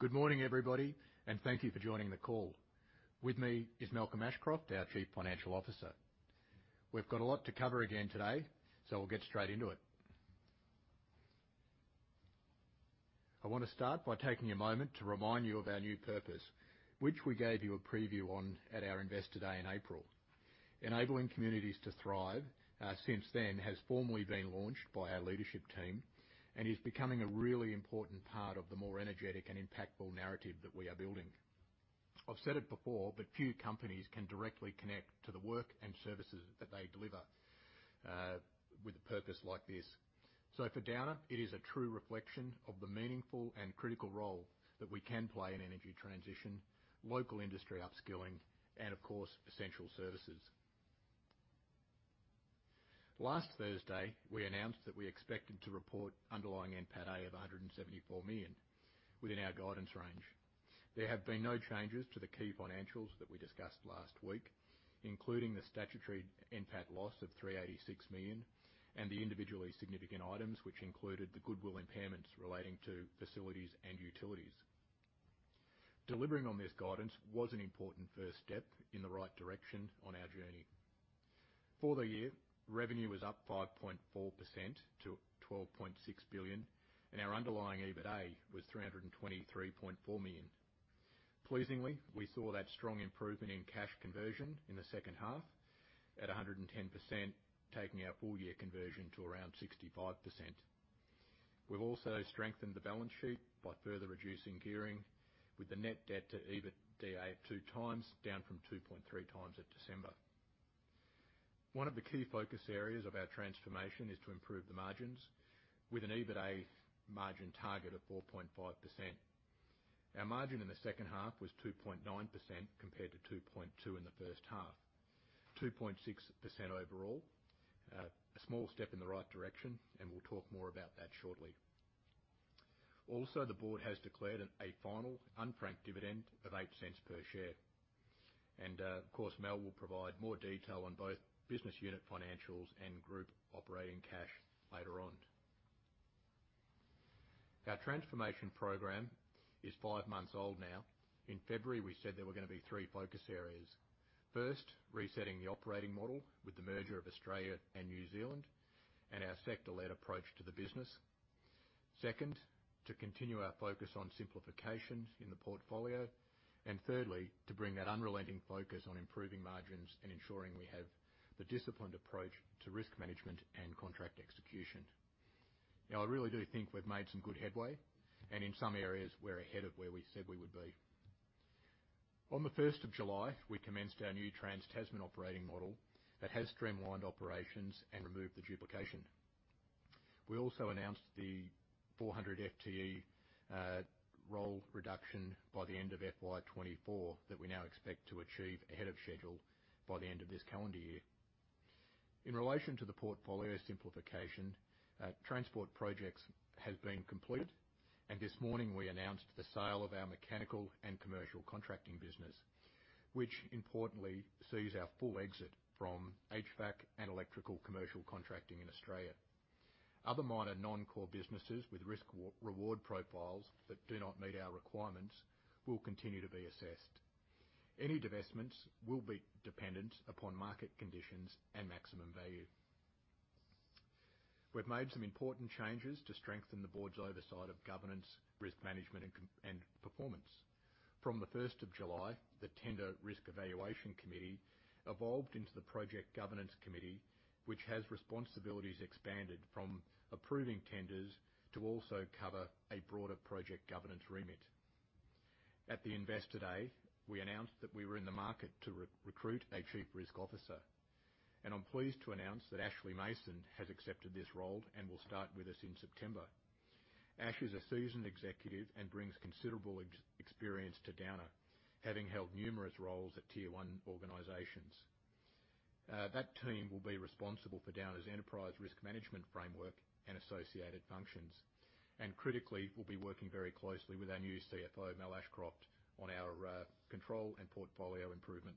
Good morning, everybody, and thank you for joining the call. With me is Malcolm Ashcroft, our Chief Financial Officer. We've got a lot to cover again today, so we'll get straight into it. I want to start by taking a moment to remind you of our new purpose, which we gave you a preview on at our Investor Day in April. Enabling communities to thrive, since then, has formally been launched by our leadership team and is becoming a really important part of the more energetic and impactful narrative that we are building. I've said it before, but few companies can directly connect to the work and services that they deliver, with a purpose like this. For Downer, it is a true reflection of the meaningful and critical role that we can play in energy transition, local industry upskilling, and of course, essential services. Last Thursday, we announced that we expected to report underlying NPATA of 174 million within our guidance range. There have been no changes to the key financials that we discussed last week, including the statutory NPAT loss of 386 million and the individually significant items, which included the goodwill impairments relating to Facilities and Utilities. Delivering on this guidance was an important first step in the right direction on our journey. For the year, revenue was up 5.4% to AUD 12.6 billion, and our underlying EBITA was AUD 323.4 million. Pleasingly, we saw that strong improvement in cash conversion in the second half at 110%, taking our full year conversion to around 65%. We've also strengthened the balance sheet by further reducing gearing with the net debt to EBITA 2x, down from 2.3x at December. One of the key focus areas of our transformation is to improve the margins with an EBITA margin target of 4.5%. Our margin in the second half was 2.9% compared to 2.2 in the first half, 2.6% overall. A small step in the right direction, we'll talk more about that shortly. The board has declared a final unfranked dividend of 0.08 per share, of course, Mal will provide more detail on both business unit financials and group operating cash later on. Our transformation program is five months old now. In February, we said there were gonna be three focus areas. First, resetting the operating model with the merger of Australia and New Zealand, and our sector-led approach to the business. Second, to continue our focus on simplification in the portfolio. Thirdly, to bring that unrelenting focus on improving margins and ensuring we have the disciplined approach to risk management and contract execution. Now, I really do think we've made some good headway, and in some areas, we're ahead of where we said we would be. On the first of July, we commenced our new Trans-Tasman operating model that has streamlined operations and removed the duplication. We also announced the 400 FTE role reduction by the end of FY 2024, that we now expect to achieve ahead of schedule by the end of this calendar year. In relation to the portfolio simplification, Transport projects have been completed, and this morning we announced the sale of our mechanical and commercial contracting business, which importantly, sees our full exit from HVAC and electrical commercial contracting in Australia. Other minor non-core businesses with risk or reward profiles that do not meet our requirements will continue to be assessed. Any divestments will be dependent upon market conditions and maximum value. We've made some important changes to strengthen the board's oversight of governance, risk management, and performance. From the first of July, the Tender Risk Evaluation Committee evolved into the Project Governance Committee, which has responsibilities expanded from approving tenders to also cover a broader project governance remit. At the Investor Day, we announced that we were in the market to re-recruit a chief risk officer. I'm pleased to announce that Ashley Mason has accepted this role and will start with us in September. Ash is a seasoned executive and brings considerable experience to Downer, having held numerous roles at Tier One organizations. That team will be responsible for Downer's enterprise risk management framework and associated functions. Critically, will be working very closely with our new CFO, Mal Ashcroft, on our control and portfolio improvement.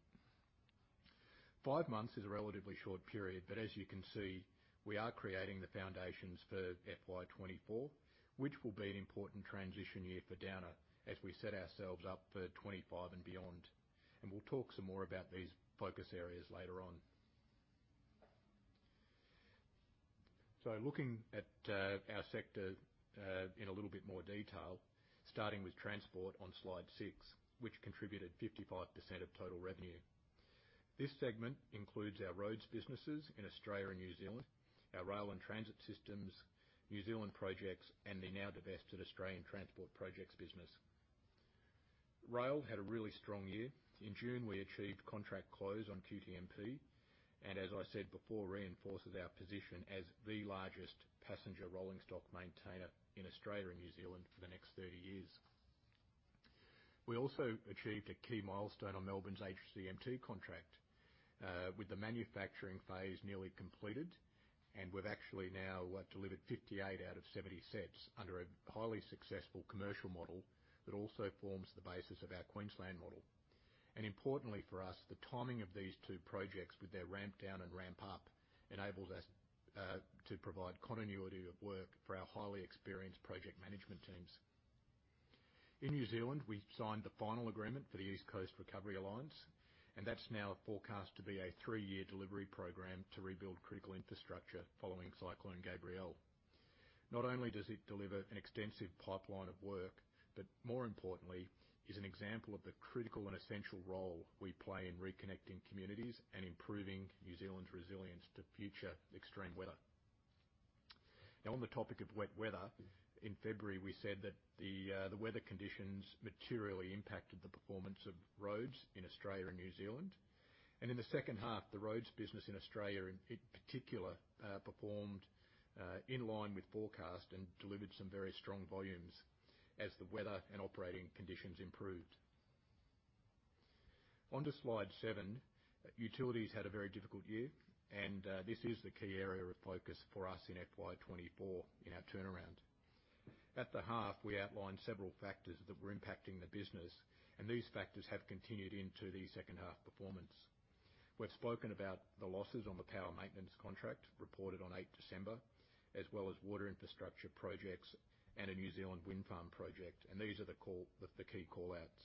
Five months is a relatively short period, as you can see, we are creating the foundations for FY 2024, which will be an important transition year for Downer as we set ourselves up for 25 and beyond. We'll talk some more about these focus areas later on. Looking at our sector in a little bit more detail, starting with Transport on slide six, which contributed 55% of total revenue. This segment includes our roads businesses in Australia and New Zealand, our rail and transit systems, New Zealand projects, and the now-divested Australian Transport Projects business. Rail had a really strong year. In June, we achieved contract close on QTMP, and as I said before, reinforces our position as the largest passenger rolling stock maintainer in Australia and New Zealand for the next 30 years. We also achieved a key milestone on Melbourne's HCMT contract with the manufacturing phase nearly completed, and we've actually now delivered 58 out of 70 sets under a highly successful commercial model that also forms the basis of our Queensland model. Importantly for us, the timing of these two projects, with their ramp down and ramp up, enables us to provide continuity of work for our highly experienced project management teams. In New Zealand, we've signed the final agreement for the East Coast Recovery Alliance, and that's now forecast to be a three-year delivery program to rebuild critical infrastructure following Cyclone Gabrielle. Not only does it deliver an extensive pipeline of work, but more importantly, is an example of the critical and essential role we play in reconnecting communities and improving New Zealand's resilience to future extreme weather. On the topic of wet weather, in February, we said that the weather conditions materially impacted the performance of roads in Australia and New Zealand. In the second half, the roads business in Australia, in particular, performed in line with forecast and delivered some very strong volumes as the weather and operating conditions improved. On to slide seven, Utilities had a very difficult year, and this is the key area of focus for us in FY 2024 in our turnaround. At the half, we outlined several factors that were impacting the business, and these factors have continued into the second half performance. We've spoken about the losses on the power maintenance contract reported on 8th December, as well as water infrastructure projects and a New Zealand wind farm project, and these are the key call outs.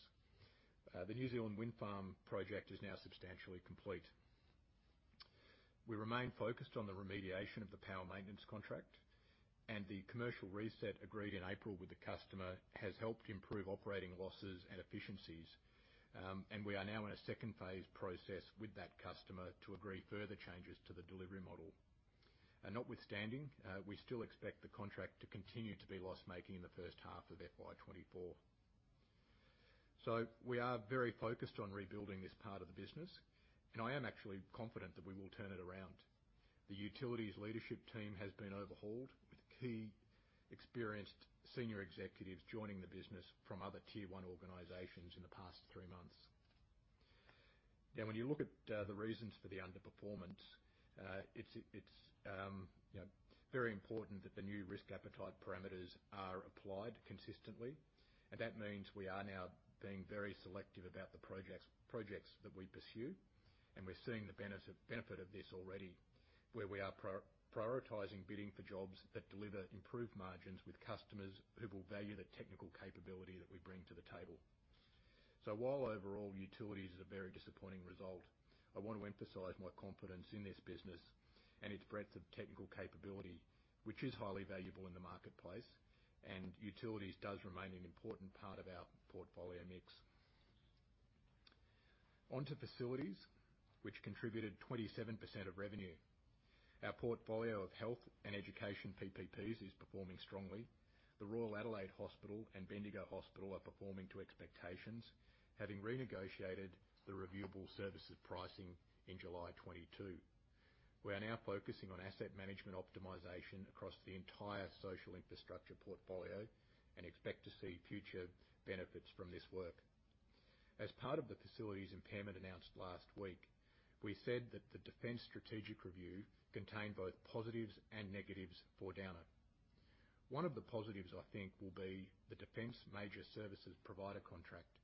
The New Zealand wind farm project is now substantially complete. We remain focused on the remediation of the power maintenance contract, and the commercial reset agreed in April with the customer has helped improve operating losses and efficiencies. We are now in a second phase process with that customer to agree further changes to the delivery model. Notwithstanding, we still expect the contract to continue to be loss-making in the first half of FY 2024. We are very focused on rebuilding this part of the business, and I am actually confident that we will turn it around. The utilities leadership team has been overhauled with key, experienced senior executives joining the business from other Tier 1 organizations in the past three months. Now, when you look at the reasons for the underperformance, it's, it's, you know, very important that the new risk appetite parameters are applied consistently, and that means we are now being very selective about the projects that we pursue. We're seeing the benefit of this already, where we are prioritizing bidding for jobs that deliver improved margins with customers who will value the technical capability that we bring to the table. While overall utilities is a very disappointing result, I want to emphasize my confidence in this business and its breadth of technical capability, which is highly valuable in the marketplace, and utilities does remain an important part of our portfolio mix. On to Facilities, which contributed 27% of revenue. Our portfolio of health and education PPPs is performing strongly. The Royal Adelaide Hospital and Bendigo Hospital are performing to expectations, having renegotiated the reviewable services pricing in July 2022. We are now focusing on asset management optimization across the entire social infrastructure portfolio and expect to see future benefits from this work. As part of the facilities impairment announced last week, we said that the Defence Strategic Review contained both positives and negatives for Downer. One of the positives, I think, will be the Defence Major Services Provider contract,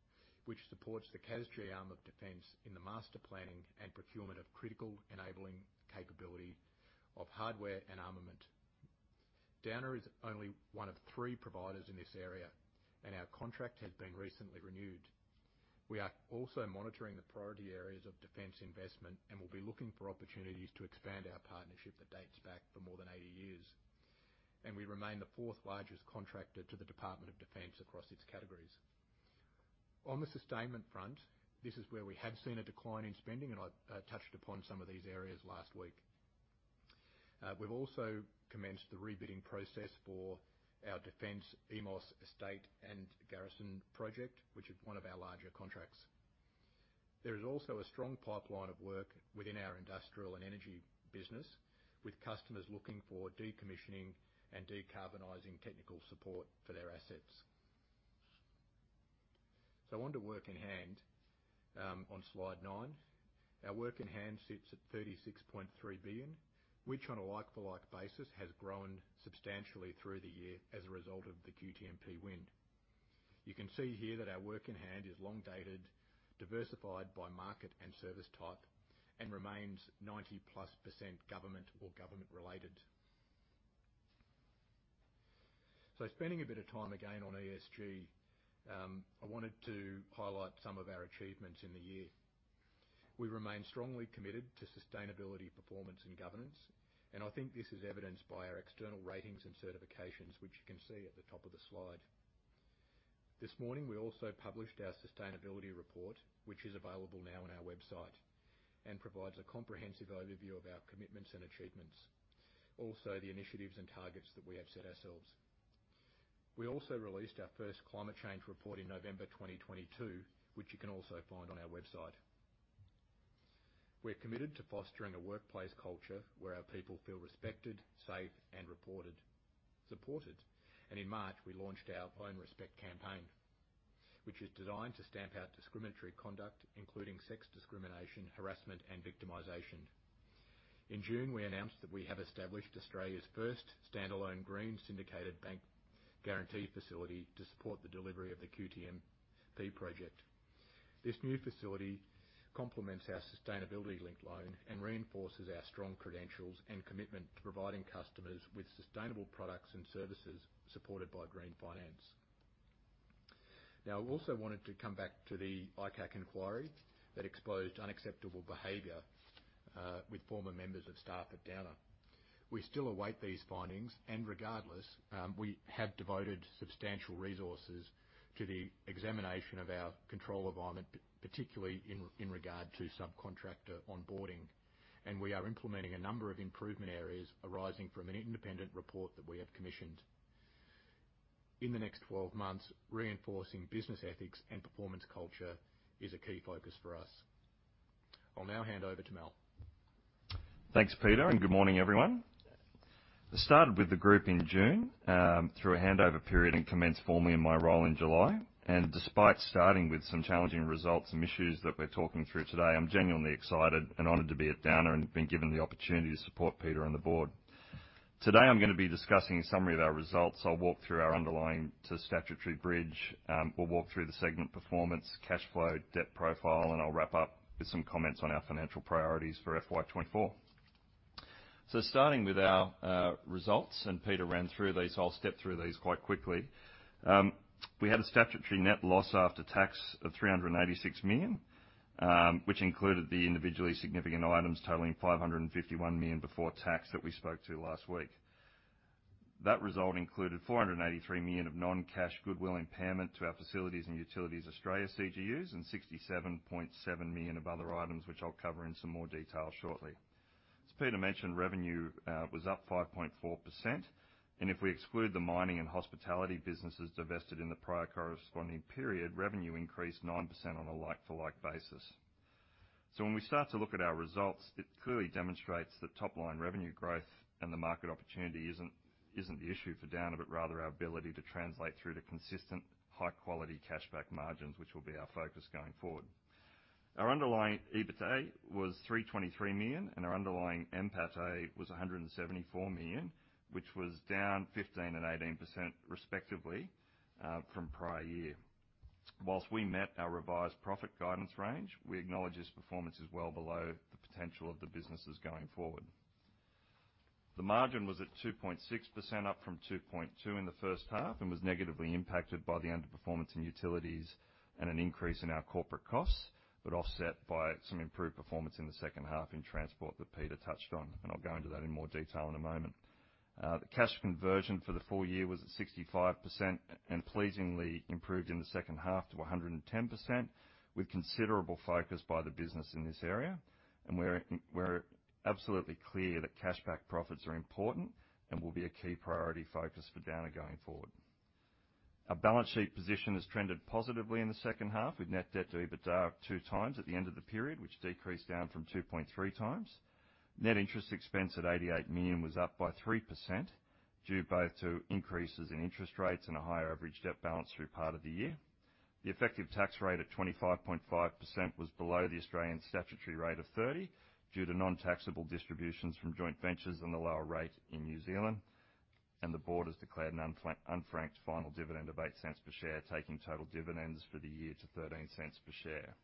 which supports the category arm of Defence in the master planning and procurement of critical enabling capability of hardware and armament. Downer is only one of three providers in this area, and our contract has been recently renewed. We are also monitoring the priority areas of Defence investment, and we'll be looking for opportunities to expand our partnership that dates back for more than 80 years. We remain the fourth largest contractor to the Department of Defence across its categories. On the sustainment front, this is where we have seen a decline in spending, and I touched upon some of these areas last week. We've also commenced the rebidding process for our Defence EMOS estate and garrison project, which is one of our larger contracts. There is also a strong pipeline of work within our Industrial & Energy business, with customers looking for decommissioning and decarbonizing technical support for their assets. On to work in hand, on slide nine. Our work in hand sits at 36.3 billion, which, on a like-for-like basis, has grown substantially through the year as a result of the QTMP win. You can see here that our work in hand is long dated, diversified by market and service type, and remains 90%+ government or government related. Spending a bit of time again on ESG, I wanted to highlight some of our achievements in the year. We remain strongly committed to sustainability, performance, and governance, and I think this is evidenced by our external ratings and certifications, which you can see at the top of the slide. This morning, we also published our sustainability report, which is available now on our website, and provides a comprehensive overview of our commitments and achievements, also the initiatives and targets that we have set ourselves. We also released our first Climate Change Report in November 2022, which you can also find on our website. We're committed to fostering a workplace culture where our people feel respected, safe, and supported. In March, we launched our Own Respect campaign, which is designed to stamp out discriminatory conduct, including sex discrimination, harassment, and victimization. In June, we announced that we have established Australia's first standalone green syndicated bank guarantee facility to support the delivery of the QTMP project. This new facility complements our sustainability-linked loan and reinforces our strong credentials and commitment to providing customers with sustainable products and services supported by green finance. I also wanted to come back to the ICAC inquiry that exposed unacceptable behavior with former members of staff at Downer. We still await these findings, and regardless, we have devoted substantial resources to the examination of our control environment, particularly in regard to subcontractor onboarding. We are implementing a number of improvement areas arising from an independent report that we have commissioned. In the next 12 months, reinforcing business ethics and performance culture is a key focus for us. I'll now hand over to Mal. Thanks, Peter, good morning, everyone. I started with the group in June, through a handover period, and commenced formally in my role in July. Despite starting with some challenging results and issues that we're talking through today, I'm genuinely excited and honored to be at Downer and have been given the opportunity to support Peter and the Board. Today, I'm gonna be discussing a summary of our results. I'll walk through our underlying to statutory bridge. We'll walk through the segment performance, cash flow, debt profile, and I'll wrap up with some comments on our financial priorities for FY24. Starting with our results, and Peter ran through these, so I'll step through these quite quickly. We had a statutory net loss after tax of 386 million, which included the individually significant items totaling 551 million before tax, that we spoke to last week. That result included 483 million of non-cash goodwill impairment to our Facilities and Utilities Australia CGUs, and 67.7 million of other items, which I'll cover in some more detail shortly. As Peter mentioned, revenue was up 5.4%, If we exclude the mining and hospitality businesses divested in the prior corresponding period, revenue increased 9% on a like-for-like basis. When we start to look at our results, it clearly demonstrates that top-line revenue growth and the market opportunity isn't the issue for Downer, but rather our ability to translate through to consistent, high-quality cashback margins, which will be our focus going forward. Our underlying EBITA was 323 million. Our underlying NPATA was 174 million, which was down 15% and 18% respectively from prior year. Whilst we met our revised profit guidance range, we acknowledge this performance is well below the potential of the businesses going forward. The margin was at 2.6%, up from 2.2 in the first half, was negatively impacted by the underperformance in utilities and an increase in our corporate costs, offset by some improved performance in the second half in Transport that Peter touched on. I'll go into that in more detail in a moment. The cash conversion for the full year was at 65%, pleasingly improved in the second half to 110%, with considerable focus by the business in this area. We're, we're absolutely clear that cash back profits are important and will be a key priority focus for Downer going forward. Our balance sheet position has trended positively in the second half, with net debt to EBITA up 2x at the end of the period, which decreased down from 2.3x. Net interest expense at 88 million was up by 3%, due both to increases in interest rates and a higher average debt balance through part of the year. The effective tax rate at 25.5% was below the Australian statutory rate of 30, due to non-taxable distributions from joint ventures and the lower rate in New Zealand. The board has declared an unfranked final dividend of 0.08 per share, taking total dividends for the year to 0.13 per share.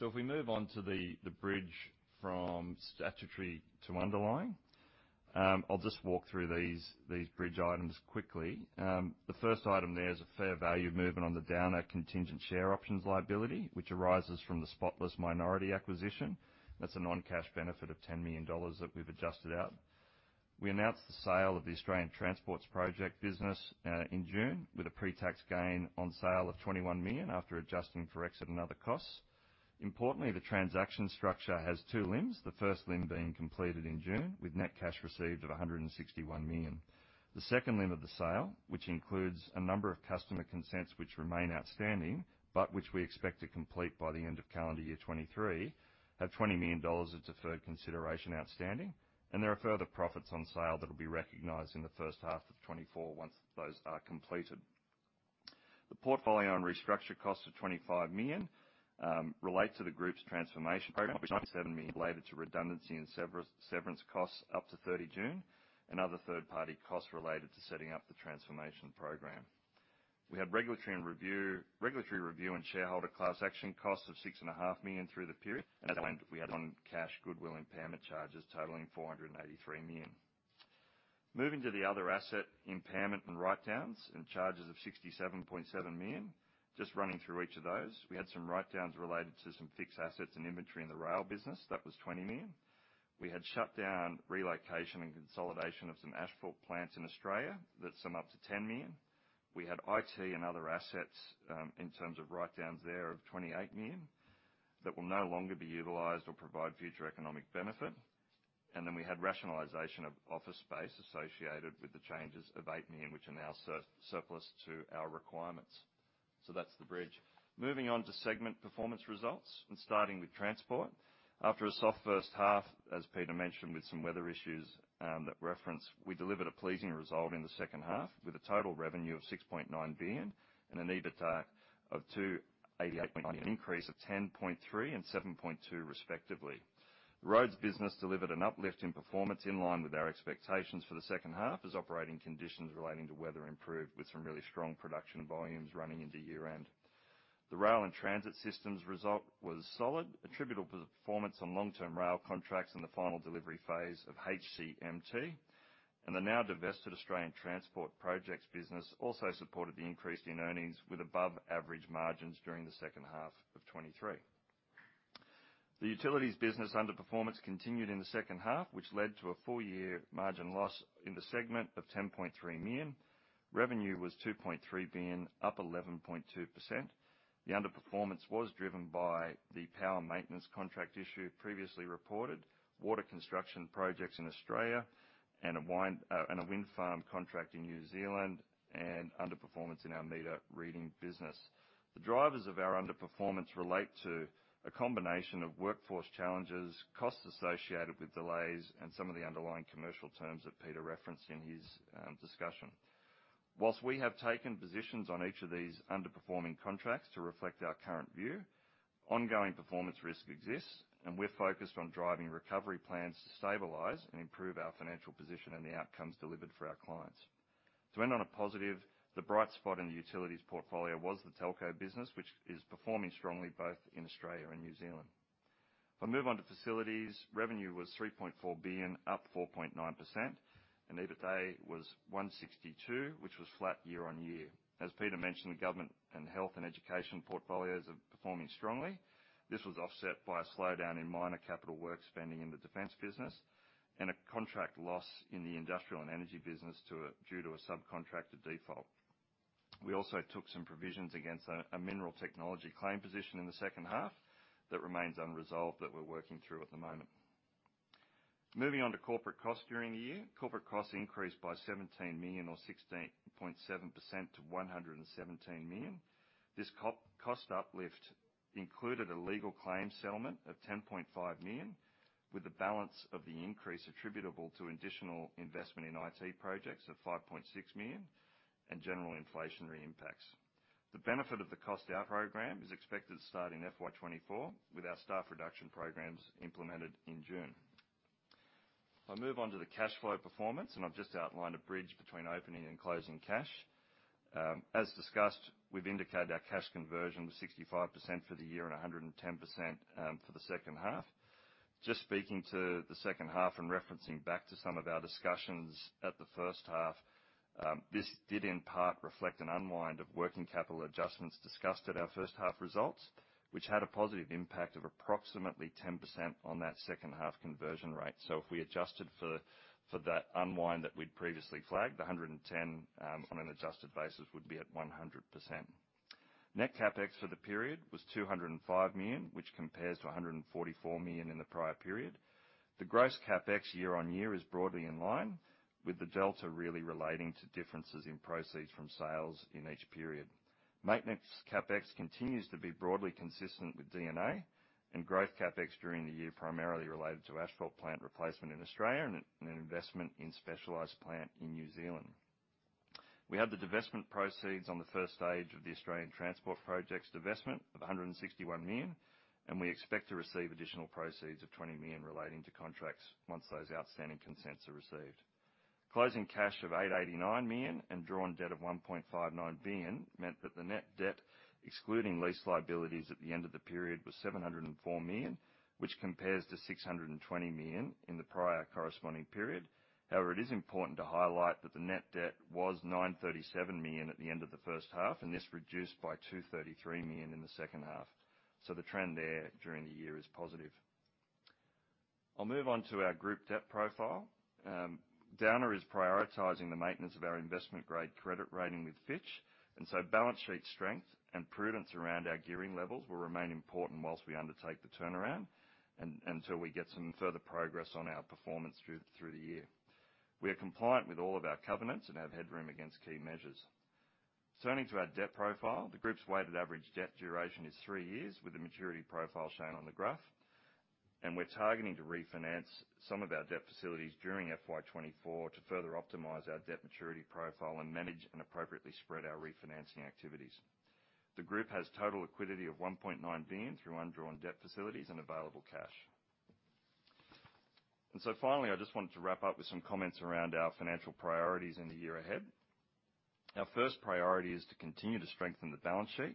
If we move on to the, the bridge from statutory to underlying, I'll just walk through these, these bridge items quickly. The first item there is a fair value movement on the Downer contingent share options liability, which arises from the Spotless minority acquisition. That's a non-cash benefit of 10 million dollars that we've adjusted out. We announced the sale of the Australian Transport Projects business in June, with a pre-tax gain on sale of 21 million after adjusting for exit and other costs. Importantly, the transaction structure has two limbs: the first limb being completed in June, with net cash received of 161 million. The second limb of the sale, which includes a number of customer consents which remain outstanding, but which we expect to complete by the end of calendar year 2023, have 20 million dollars of deferred consideration outstanding, and there are further profits on sale that will be recognized in the first half of 2024 once those are completed. The portfolio and restructure costs of AUD 25 million relate to the group's transformation program, which AUD 97 million related to redundancy and severance costs up to 30 June, and other third-party costs related to setting up the transformation program. We had regulatory review and shareholder class action costs of 6.5 million through the period, and we had non-cash goodwill impairment charges totaling 483 million. Moving to the other asset impairment and writedowns and charges of 67.7 million. Just running through each of those, we had some writedowns related to some fixed assets and inventory in the rail business. That was 20 million. We had shutdown, relocation, and consolidation of asphalt plants in Australia. That's up to 10 million. We had IT and other assets, in terms of writedowns there of 28 million, that will no longer be utilized or provide future economic benefit. Then we had rationalization of office space associated with the changes of 8 million, which are now surplus to our requirements. That's the bridge. Moving on to segment performance results, starting with Transport. After a soft first half, as Peter mentioned, with some weather issues, that referenced, we delivered a pleasing result in the second half, with a total revenue of 6.9 billion and an EBITA of 288 point- increase of 10.3% and 7.2% respectively. The roads business delivered an uplift in performance in line with our expectations for the second half, as operating conditions relating to weather improved with some really strong production volumes running into year-end. The rail and transit systems result was solid, attributable to the performance on long-term rail contracts and the final delivery phase of HCMT. The now-divested Australian Transport Projects business also supported the increase in earnings, with above-average margins during the second half of 2023. The utilities business underperformance continued in the second half, which led to a full-year margin loss in the segment of 10.3 million. Revenue was 2.3 billion, up 11.2%. The underperformance was driven by the power maintenance contract issue previously reported, water construction projects in Australia, and a wind, and a wind farm contract in New Zealand, and underperformance in our meter reading business. The drivers of our underperformance relate to a combination of workforce challenges, costs associated with delays, and some of the underlying commercial terms that Peter referenced in his discussion. Whilst we have taken positions on each of these underperforming contracts to reflect our current view, ongoing performance risk exists, and we're focused on driving recovery plans to stabilize and improve our financial position and the outcomes delivered for our clients. To end on a positive, the bright spot in the utilities portfolio was the telco business, which is performing strongly both in Australia and New Zealand. If I move on to Facilities, revenue was 3.4 billion, up 4.9%, and EBITA was 162 million, which was flat year-on-year. As Peter mentioned, the government and health and education portfolios are performing strongly. This was offset by a slowdown in minor capital work spending in the Defence business and a contract loss in the Industrial & Energy business due to a subcontractor default. We also took some provisions against a Mineral Technologies claim position in the second half that remains unresolved, that we're working through at the moment. Moving on to corporate costs during the year. Corporate costs increased by 17 million, or 16.7%, to 117 million. This cost uplift included a legal claim settlement of 10.5 million, with the balance of the increase attributable to additional investment in IT projects of 5.6 million and general inflationary impacts. The benefit of the cost-out program is expected to start in FY 2024, with our staff reduction programs implemented in June. I'll move on to the cash flow performance. I've just outlined a bridge between opening and closing cash. As discussed, we've indicated our cash conversion was 65% for the year and 110% for the second half. Just speaking to the second half and referencing back to some of our discussions at the first half, this did in part reflect an unwind of working capital adjustments discussed at our first half results, which had a positive impact of approximately 10% on that second half conversion rate. If we adjusted for, for that unwind that we'd previously flagged, the 110, on an adjusted basis, would be at 100%. Net CapEx for the period was AUD 205 million, which compares to AUD 144 million in the prior period. The gross CapEx year-over-year is broadly in line with the delta, really relating to differences in proceeds from sales in each period. Maintenance CapEx continues to be broadly consistent with D&A. Growth CapEx during the year primarily related to asphalt plant replacement in Australia and an investment in specialized plant in New Zealand. We had the divestment proceeds on the first stage of the Australian Transport Projects divestment of AUD 161 million, and we expect to receive additional proceeds of AUD 20 million relating to contracts once those outstanding consents are received. Closing cash of AUD 889 million and drawn debt of AUD 1.59 billion meant that the net debt, excluding lease liabilities at the end of the period, was AUD 704 million, which compares to AUD 620 million in the prior corresponding period. It is important to highlight that the net debt was 937 million at the end of the first half, and this reduced by 233 million in the second half. The trend there during the year is positive. I'll move on to our group debt profile. Downer is prioritizing the maintenance of our investment-grade credit rating with Fitch, and so balance sheet strength and prudence around our gearing levels will remain important whilst we undertake the turnaround and, until we get some further progress on our performance through, through the year. We are compliant with all of our covenants and have headroom against key measures. Turning to our debt profile, the group's weighted average debt duration is three years, with the maturity profile shown on the graph. We're targeting to refinance some of our debt facilities during FY 2024 to further optimize our debt maturity profile and manage and appropriately spread our refinancing activities. The group has total liquidity of 1.9 billion through undrawn debt facilities and available cash. Finally, I just wanted to wrap up with some comments around our financial priorities in the year ahead. Our first priority is to continue to strengthen the balance sheet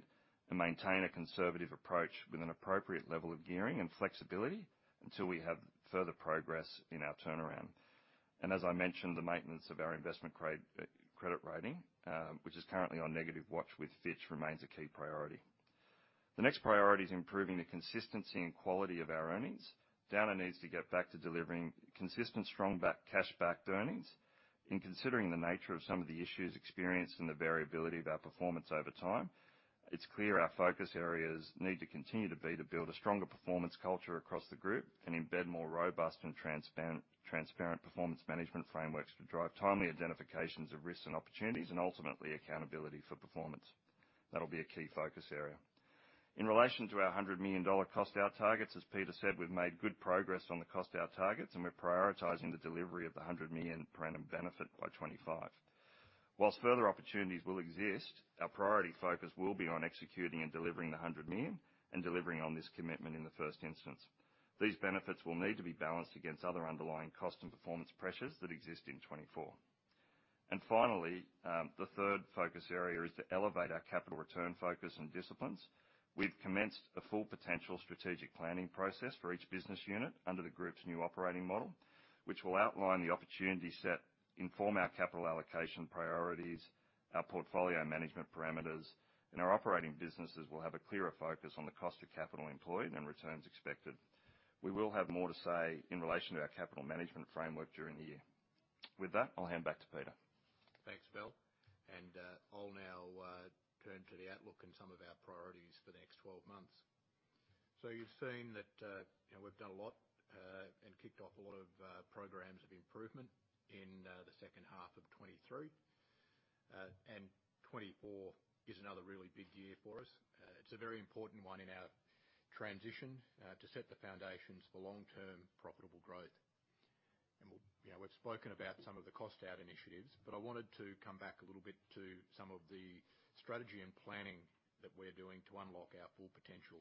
and maintain a conservative approach with an appropriate level of gearing and flexibility until we have further progress in our turnaround. As I mentioned, the maintenance of our investment grade credit rating, which is currently on negative watch with Fitch, remains a key priority. The next priority is improving the consistency and quality of our earnings. Downer needs to get back to delivering consistent, strong back, cash-backed earnings. In considering the nature of some of the issues experienced and the variability of our performance over time, it's clear our focus areas need to continue to be to build a stronger performance culture across the group and embed more robust and transparent performance management frameworks to drive timely identifications of risks and opportunities, and ultimately, accountability for performance. That'll be a key focus area. In relation to our 100 million dollar cost out targets, as Peter said, we've made good progress on the cost out targets, and we're prioritizing the delivery of the 100 million per annum benefit by 2025. Whilst further opportunities will exist, our priority focus will be on executing and delivering the 100 million and delivering on this commitment in the first instance. These benefits will need to be balanced against other underlying cost and performance pressures that exist in 2024. Finally, the third focus area is to elevate our capital return focus and disciplines. We've commenced a full potential strategic planning process for each business unit under the group's new operating model, which will outline the opportunity set, inform our capital allocation priorities, our portfolio management parameters, and our operating businesses will have a clearer focus on the cost of capital employed and returns expected. We will have more to say in relation to our capital management framework during the year. With that, I'll hand back to Peter. Thanks, Mal, I'll now turn to the outlook and some of our priorities for the next 12 months. You've seen that, you know, we've done a lot and kicked off a lot of programs of improvement in the second half of 2023. 2024 is another really big year for us. It's a very important one in our transition to set the foundations for long-term profitable growth. You know, we've spoken about some of the cost out initiatives, but I wanted to come back a little bit to some of the strategy and planning that we're doing to unlock our full potential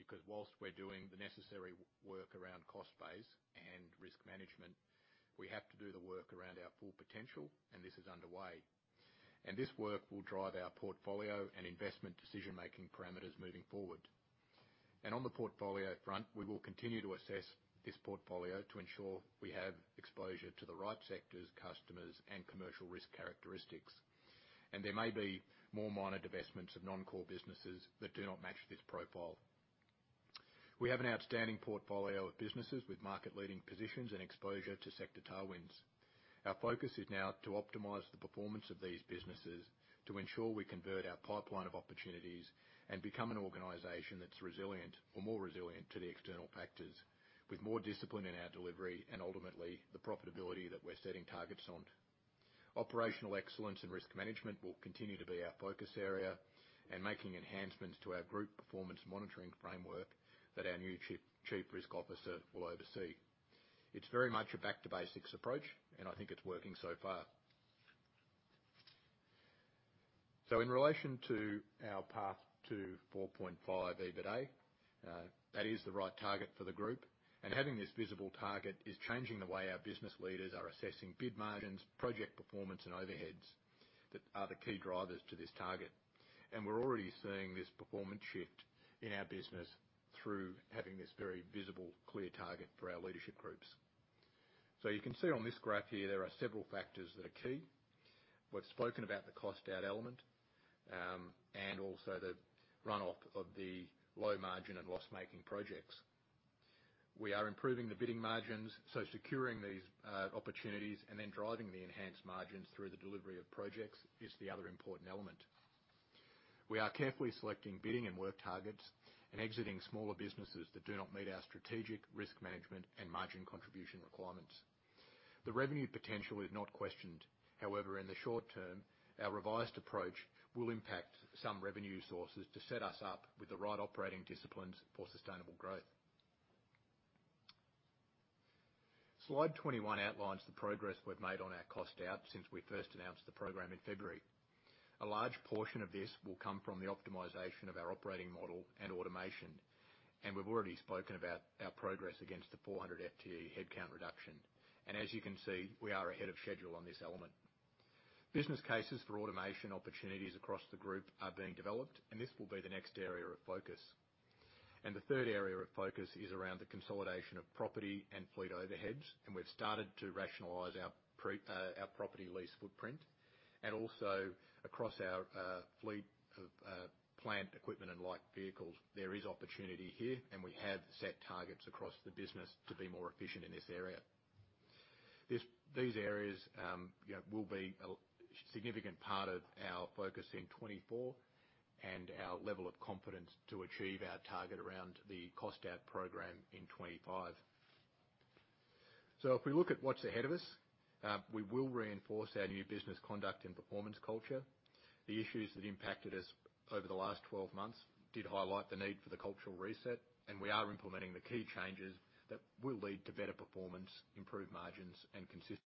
because whilst we're doing the necessary work around cost base and risk management, we have to do the work around our full potential, and this is underway. This work will drive our portfolio and investment decision-making parameters moving forward. On the portfolio front, we will continue to assess this portfolio to ensure we have exposure to the right sectors, customers, and commercial risk characteristics. There may be more minor divestments of non-core businesses that do not match this profile. We have an outstanding portfolio of businesses with market-leading positions and exposure to sector tailwinds. Our focus is now to optimize the performance of these businesses to ensure we convert our pipeline of opportunities and become an organization that's resilient or more resilient to the external factors, with more discipline in our delivery and ultimately the profitability that we're setting targets on. Operational excellence and risk management will continue to be our focus area, and making enhancements to our group performance monitoring framework that our new Chief Risk Officer will oversee. It's very much a back to basics approach, and I think it's working so far. In relation to our path to 4.5 EBITA, that is the right target for the group, and having this visible target is changing the way our business leaders are assessing bid margins, project performance, and overheads that are the key drivers to this target. We're already seeing this performance shift in our business through having this very visible, clear target for our leadership groups. You can see on this graph here, there are several factors that are key. We've spoken about the cost out element, and also the runoff of the low margin and loss-making projects. We are improving the bidding margins, so securing these opportunities and then driving the enhanced margins through the delivery of projects is the other important element. We are carefully selecting bidding and work targets and exiting smaller businesses that do not meet our strategic risk management and margin contribution requirements. The revenue potential is not questioned. However, in the short term, our revised approach will impact some revenue sources to set us up with the right operating disciplines for sustainable growth. Slide 21 outlines the progress we've made on our cost out since we first announced the program in February. A large portion of this will come from the optimization of our operating model and automation, and we've already spoken about our progress against the 400 FTE headcount reduction. As you can see, we are ahead of schedule on this element. Business cases for automation opportunities across the group are being developed, and this will be the next area of focus. The third area of focus is around the consolidation of property and fleet overheads, and we've started to rationalize our property lease footprint, and also across our fleet of plant equipment and light vehicles. There is opportunity here, and we have set targets across the business to be more efficient in this area. These areas, you know, will be a significant part of our focus in 2024 and our level of confidence to achieve our target around the cost out program in 2025. If we look at what's ahead of us, we will reinforce our new business conduct and performance culture. The issues that impacted us over the last 12 months did highlight the need for the cultural reset, and we are implementing the key changes that will lead to better performance, improved margins and consistency.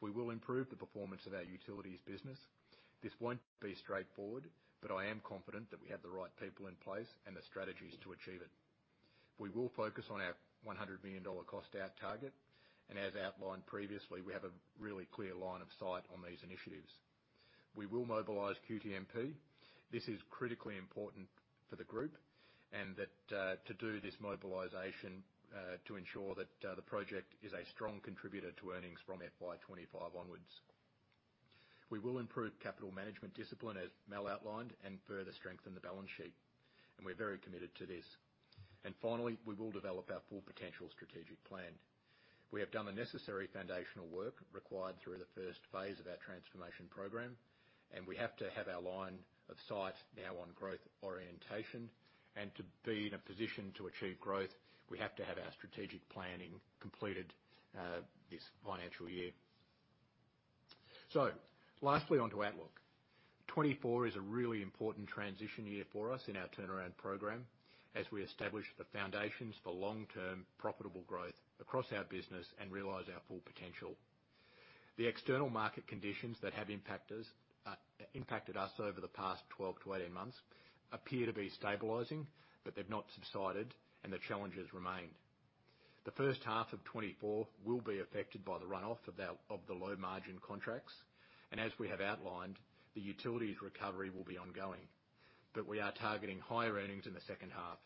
We will improve the performance of our utilities business. This won't be straightforward, but I am confident that we have the right people in place and the strategies to achieve it. We will focus on our 100 million dollar cost out target. As outlined previously, we have a really clear line of sight on these initiatives. We will mobilize QTMP. This is critically important for the group and that to do this mobilization to ensure that the project is a strong contributor to earnings from FY 2025 onwards. We will improve capital management discipline, as Mal outlined, and further strengthen the balance sheet. We're very committed to this. Finally, we will develop our full potential strategic plan. We have done the necessary foundational work required through the first phase of our transformation program, and we have to have our line of sight now on growth orientation, and to be in a position to achieve growth, we have to have our strategic planning completed this financial year. Lastly, on to outlook. 2024 is a really important transition year for us in our turnaround program as we establish the foundations for long-term profitable growth across our business and realize our full potential. The external market conditions that have impacted us over the past 12-18 months appear to be stabilizing, but they've not subsided, and the challenges remain. The first half of 2024 will be affected by the runoff of the low margin contracts, and as we have outlined, the utilities recovery will be ongoing. We are targeting higher earnings in the second half.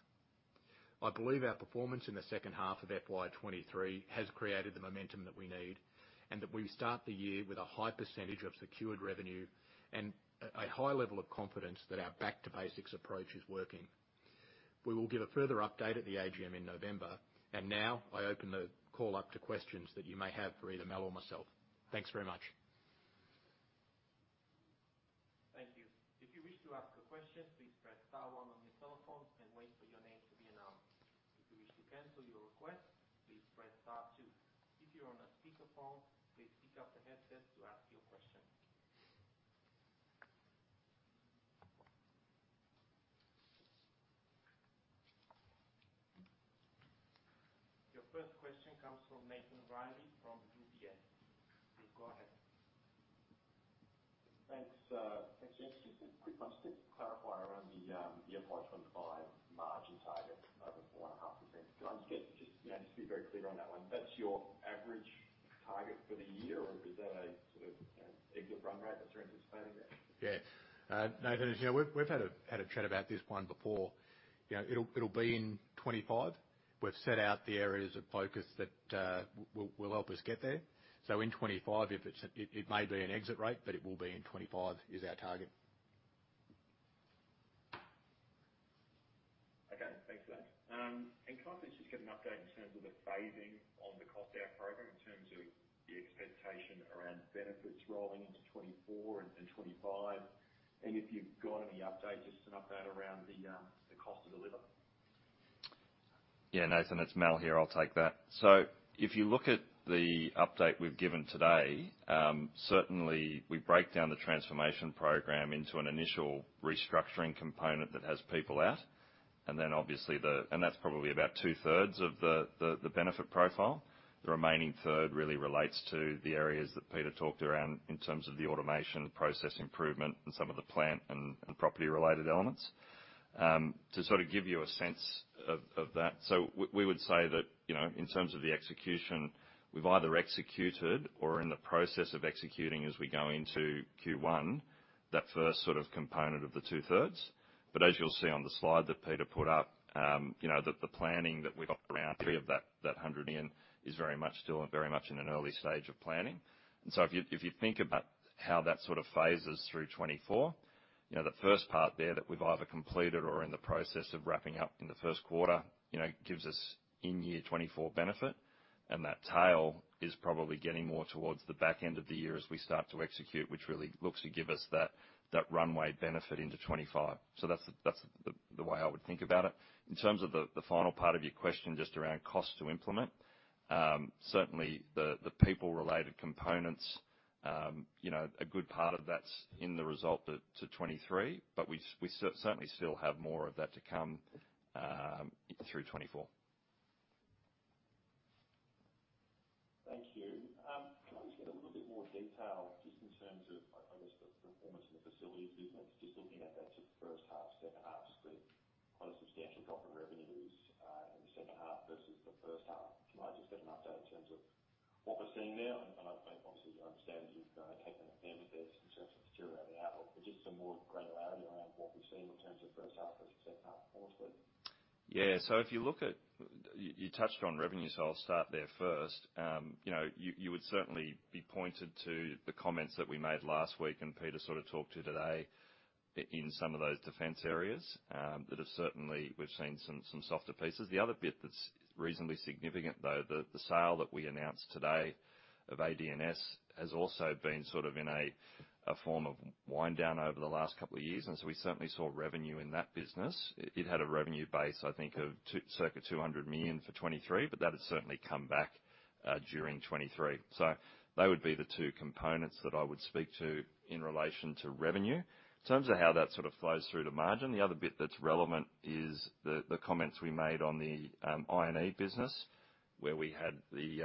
I believe our performance in the second half of FY 2023 has created the momentum that we need, and that we start the year with a high percentage of secured revenue and a high level of confidence that our back to basics approach is working. We will give a further update at the AGM in November. Now I open the call up to questions that you may have for either Mal or myself. Thanks very much. Thank you. If you wish to ask a question, please press star one on your telephone and wait for your name to be announced. If you wish to cancel your request, please press star two. If you're on a speakerphone, please pick up the headset to ask your question. Your first question comes from Nathan Reilly from UBS. Please go ahead. Thanks, thanks, James. Just a quick question to clarify around the FY 2025 margin target of over 1.5%. Can I just get, just, you know, just to be very clear on that one, that's your average target for the year, or is that a sort of exit run rate that you're anticipating there? Yeah. Nathan, as you know, we've, we've had a, had a chat about this one before. You know, it'll, it'll be in FY 2025. We've set out the areas of focus that, will, will help us get there. In FY 2025, if it's, it, it may be an exit rate, but it will be in FY 2025 is our target. Okay, thanks for that. Can I please just get an update in terms of the phasing on the cost out program, in terms of the expectation around benefits rolling into 2024 and 2025? If you've got any update, just to update around the cost to deliver? Yeah, Nathan, it's Mal here. I'll take that. If you look at the update we've given today, certainly we break down the transformation program into an initial restructuring component that has people out, and then obviously the... That's probably about two-thirds of the, the, the benefit profile. The remaining third really relates to the areas that Peter talked around in terms of the automation, process improvement, and some of the plant and, and property-related elements. To sort of give you a sense of, of that, we, we would say that, you know, in terms of the execution, we've either executed or are in the process of executing as we go into Q1, that first sort of component of the two-thirds. As you'll see on the slide that Peter put up, you know, that the planning that we've got around three of that, that 100 million is very much still, very much in an early stage of planning. So if you, if you think about how that sort of phases through 2024, you know, the first part there that we've either completed or are in the process of wrapping up in the first quarter, you know, gives us in-year 2024 benefit. That tail is probably getting more towards the back end of the year as we start to execute, which really looks to give us that, that runway benefit into 2025. That's the, that's the, the way I would think about it. In terms of the, the final part of your question, just around cost to implement, certainly the, the people-related components, you know, a good part of that's in the result to, to 2023, but we certainly still have more of that to come, through 2024. Thank you. Can I just get a little bit more detail just in terms of, I guess, the performance of the Facilities business, just looking at that sort of first half, second half, just the quite a substantial drop in revenues, in the second half versus the first half. Can I just get an update in terms of what we're seeing there? And, and I, I obviously understand you've taken a benefit there in terms of the material outlook, but just some more granularity around what we've seen in terms of first half versus second half, mostly. Yeah. If you look at... you touched on revenue, so I'll start there first. You know, you, you would certainly be pointed to the comments that we made last week, and Peter sort of talked to today, in some of those defense areas, that have certainly, we've seen some, some softer pieces. The other bit that's reasonably significant, though, the, the sale that we announced today of [ADNS], has also been sort of in a, a form of wind down over the last couple of years, and so we certainly saw revenue in that business. It, it had a revenue base, I think, of circa 200 million for 2023, but that has certainly come back during 2023. They would be the two components that I would speak to in relation to revenue. In terms of how that sort of flows through to margin, the other bit that's relevant is the comments we made on the I&E business, where we had the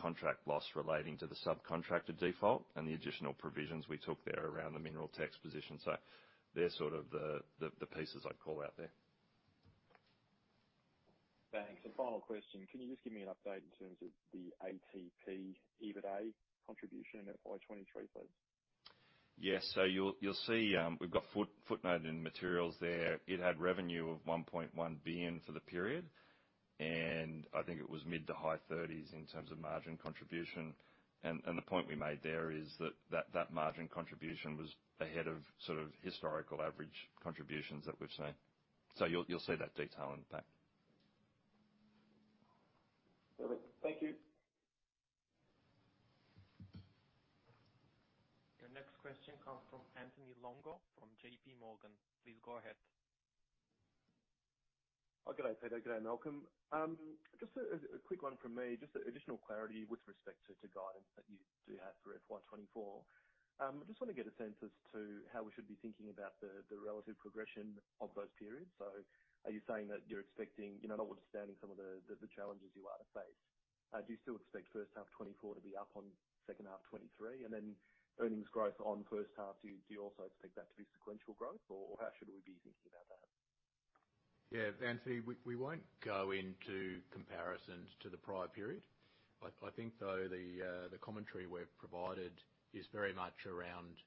contract loss relating to the subcontractor default and the additional provisions we took there around the mineral tax position. They're sort of the pieces I'd call out there. Thanks. The final question, can you just give me an update in terms of the ATP EBITA contribution in FY 2023, please? Yes. You'll, you'll see, we've got footnote in the materials there. It had revenue of 1.1 billion for the period, and I think it was mid-to-high 30s in terms of margin contribution. The point we made there is that, that, that margin contribution was ahead of sort of historical average contributions that we've seen. You'll, you'll see that detail in the pack. Perfect. Thank you. Your next question comes from Anthony Longo, from JPMorgan. Please go ahead. Oh, good day, Peter. Good day, Malcolm. just a quick one from me, just additional clarity with respect to guidance that you do have for FY 2024. I just want to get a sense as to how we should be thinking about the relative progression of those periods. Are you saying that you're expecting, you know, notwithstanding some of the challenges you are to face, do you still expect first half 2024 to be up on second half 2023? Then earnings growth on first half, do you also expect that to be sequential growth, or how should we be thinking about that? Yeah, Anthony, we, we won't go into comparisons to the prior period. I, I think, though, the commentary we've provided is very much around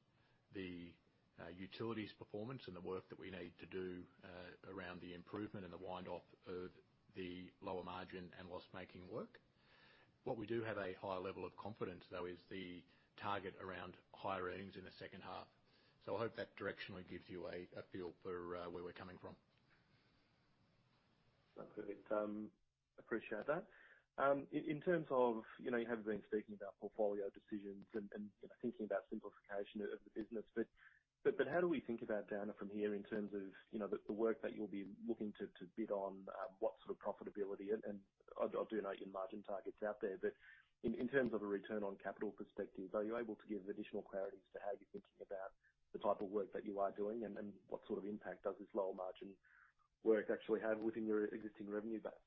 the utilities performance and the work that we need to do around the improvement and the wind off of the lower margin and loss-making work. What we do have a high level of confidence, though, is the target around higher earnings in the second half. I hope that directionally gives you a, a feel for where we're coming from. That's good. Appreciate that. In terms of, you know, you have been speaking about portfolio decisions and, you know, thinking about simplification of the business, but how do we think about Downer from here in terms of, you know, the work that you'll be looking to bid on, what sort of profitability? I do know your margin target's out there, but in terms of a return on capital perspective, are you able to give additional clarity as to how you're thinking about the type of work that you are doing, and then what sort of impact does this lower margin work actually have within your existing revenue base?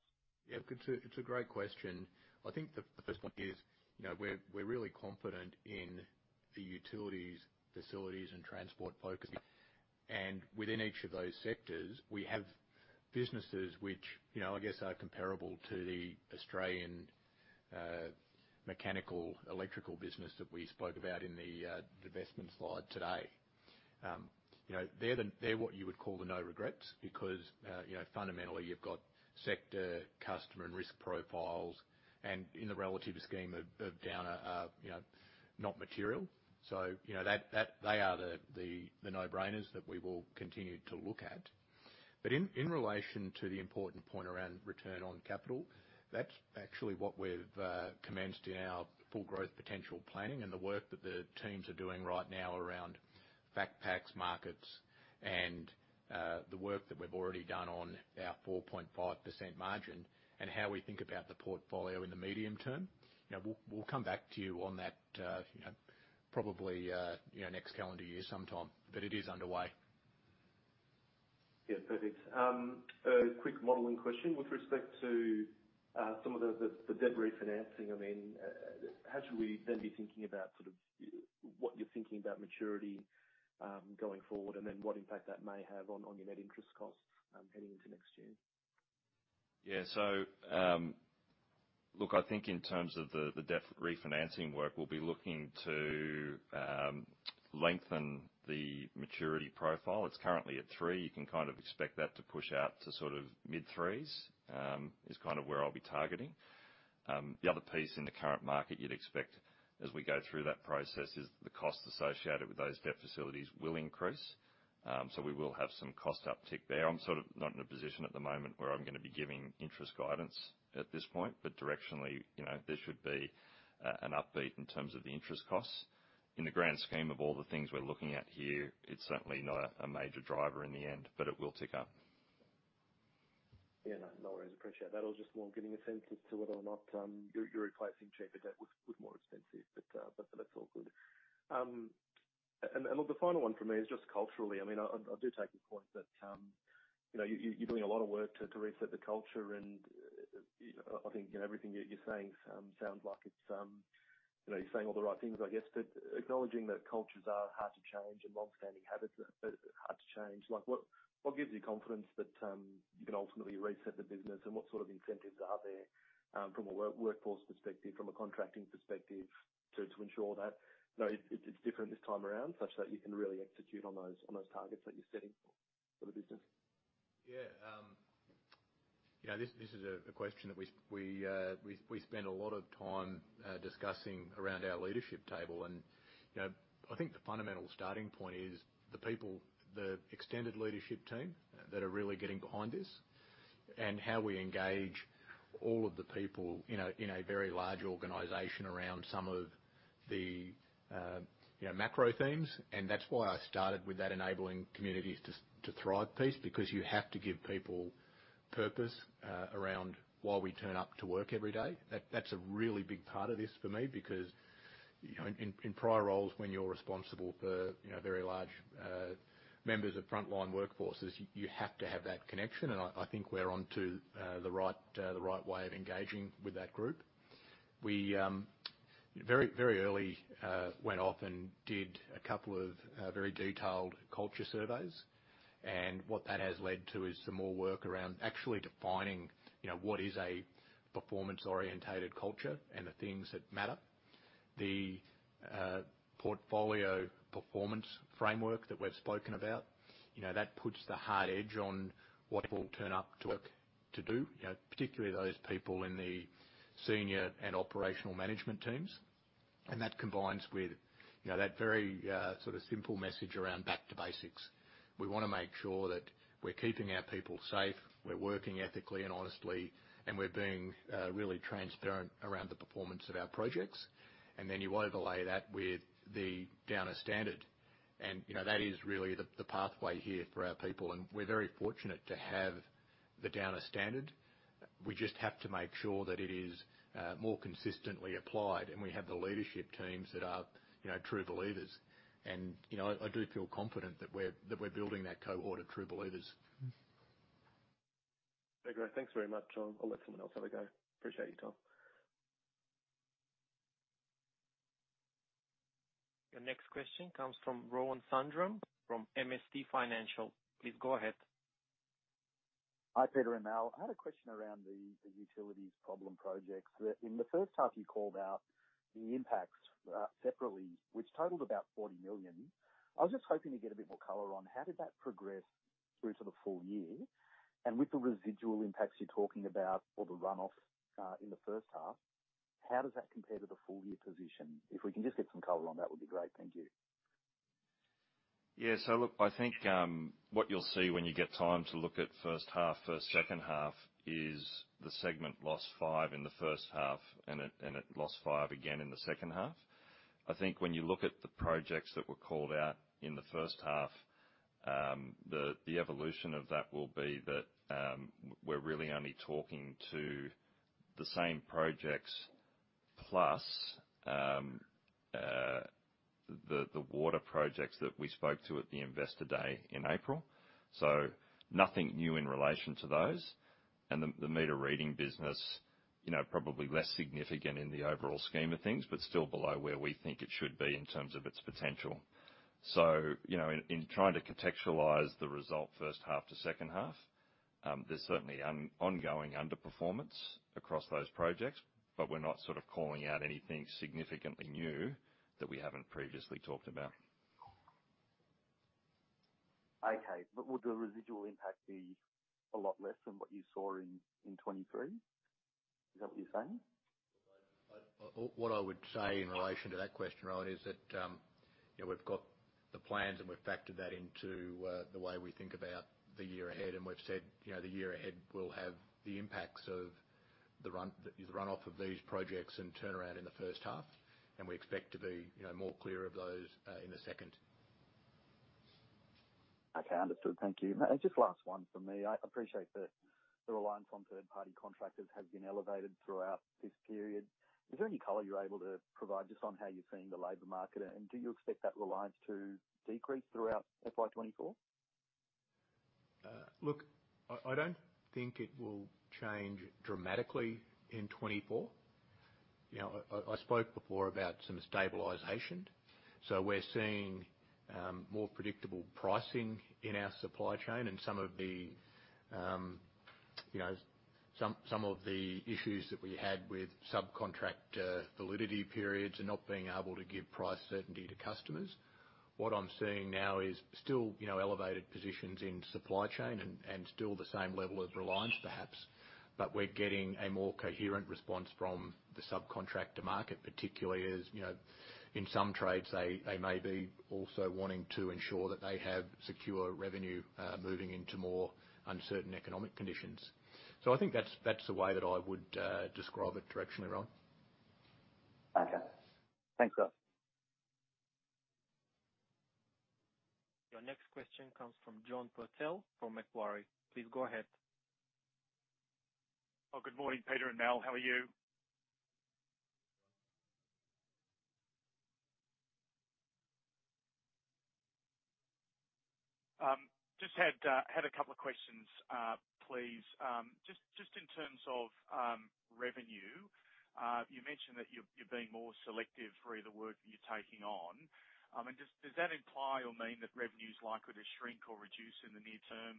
Yeah, look, it's a great question. I think the first point is, you know, we're really confident in the Utilities, Facilities, and Transport focus. Within each of those sectors, we have businesses which, you know, I guess are comparable to the Australian mechanical, electrical business that we spoke about in the divestment slide today. You know, they're what you would call the no regrets because, you know, fundamentally, you've got sector, customer, and risk profiles, and in the relative scheme of Downer, are, you know, not material. You know, that. They are the no-brainers that we will continue to look at. In relation to the important point around return on capital, that's actually what we've commenced in our full growth potential planning and the work that the teams are doing right now around fact packs, markets, and the work that we've already done on our 4.5% margin and how we think about the portfolio in the medium term. You know, we'll come back to you on that, you know, probably, you know, next calendar year sometime. It is underway. Yeah, perfect. A quick modeling question. With respect to some of the debt refinancing, I mean, how should we then be thinking about sort of what you're thinking about maturity going forward, and then what impact that may have on your net interest costs heading into next year? Yeah. Look, I think in terms of the, the debt refinancing work, we'll be looking to lengthen the maturity profile. It's currently at three. You can kind of expect that to push out to sort of mid-3s, is kind of where I'll be targeting. The other piece in the current market you'd expect as we go through that process is the cost associated with those debt facilities will increase. We will have some cost uptick there. I'm sort of not in a position at the moment where I'm going to be giving interest guidance at this point, directionally, you know, there should be an upbeat in terms of the interest costs. In the grand scheme of all the things we're looking at here, it's certainly not a major driver in the end, it will tick up. Yeah, no, no worries. Appreciate that. I was just more getting a sense as to whether or not, you're, you're replacing cheaper debt with, with more expensive, but, but that's all good. The final one for me is just culturally, I mean, I, I do take your point that, you know, you, you're doing a lot of work to, to reset the culture, and I-I think, you know, everything you're, you're saying, sounds like it's, you know, you're saying all the right things, I guess. Acknowledging that cultures are hard to change and long-standing habits are, are hard to change, like, what, what gives you confidence that, you can ultimately reset the business? What sort of incentives are there from a workforce perspective, from a contracting perspective, to, to ensure that, you know, it's, it's different this time around, such that you can really execute on those, on those targets that you're setting for the business? Yeah. yeah, this, this is a, a question that we, we, we, we spend a lot of time discussing around our leadership table. You know, I think the fundamental starting point is the people, the extended leadership team that are really getting behind this and how we engage all of the people, you know, in a very large organization around some of the, you know, macro themes. That's why I started with that enabling communities to, to thrive piece, because you have to give people purpose around why we turn up to work every day. That, that's a really big part of this for me, because, you know, in, in prior roles, when you're responsible for, you know, very large members of frontline workforces, you have to have that connection, and I, I think we're onto the right, the right way of engaging with that group. We very, very early went off and did a couple of very detailed culture surveys, and what that has led to is some more work around actually defining, you know, what is a performance-orientated culture and the things that matter. The portfolio performance framework that we've spoken about, you know, that puts the hard edge on what people turn up to work to do, you know, particularly those people in the senior and operational management teams. That combines with, you know, that very sort of simple message around back to basics. We want to make sure that we're keeping our people safe, we're working ethically and honestly, and we're being really transparent around the performance of our projects. Then you overlay that with The Downer Standard. You know, that is really the pathway here for our people, and we're very fortunate to have The Downer Standard. We just have to make sure that it is more consistently applied, and we have the leadership teams that are, you know, true believers. You know, I, I do feel confident that we're, that we're building that cohort of true believers. Okay, great. Thanks very much. I'll let someone else have a go. Appreciate your time. Your next question comes from Rohan Sundram from MST Financial. Please go ahead. Hi, Peter and Mal. I had a question around the, the utilities problem projects. That in the first half, you called out the impacts separately, which totaled about 40 million. I was just hoping to get a bit more color on how did that progress through to the full year? With the residual impacts you're talking about, or the runoffs in the first half, how does that compare to the full-year position? If we can just get some color on that would be great. Thank you. Yeah, so look, I think, what you'll see when you get time to look at first half, second half, is the segment lost five in the first half, and it, and it lost five again in the second half. I think when you look at the projects that were called out in the first half, the, the evolution of that will be that, we're really only talking to the same projects, plus, the, the water projects that we spoke to at the Investor Day in April. Nothing new in relation to those. The, the meter reading business, you know, probably less significant in the overall scheme of things, but still below where we think it should be in terms of its potential. You know, in, in trying to contextualize the result first half to second half, there's certainly an ongoing underperformance across those projects, but we're not sort of calling out anything significantly new that we haven't previously talked about. Okay, will the residual impact be a lot less than what you saw in, in 2023? Is that what you're saying? I... What I would say in relation to that question, Rohan, is that, you know, we've got the plans. We've factored that into the way we think about the year ahead. We've said, you know, the year ahead will have the impacts of the run, the runoff of these projects and turnaround in the first half. We expect to be, you know, more clear of those in the second. Okay, understood. Thank you. Just last one from me. I appreciate that the reliance on third-party contractors has been elevated throughout this period. Is there any color you're able to provide just on how you're seeing the labor market, and do you expect that reliance to decrease throughout FY 2024? Look, I, I don't think it will change dramatically in 2024. You know, I, I spoke before about some stabilization, so we're seeing, more predictable pricing in our supply chain and some of the, you know, some, some of the issues that we had with subcontractor validity periods and not being able to give price certainty to customers. What I'm seeing now is still, you know, elevated positions in supply chain and, and still the same level of reliance, perhaps, but we're getting a more coherent response from the subcontractor market, particularly as, you know, in some trades, they, they may be also wanting to ensure that they have secure revenue, moving into more uncertain economic conditions. I think that's, that's the way that I would, describe it directionally, Rohan. Okay. Thanks, guys. Your next question comes from Jaineel Patel from Macquarie. Please go ahead. Oh, good morning, Peter and Mal. How are you? Just had a couple of questions, please. Just in terms of revenue, you mentioned that you're being more selective re: the work you're taking on. And does that imply or mean that revenue is likely to shrink or reduce in the near term?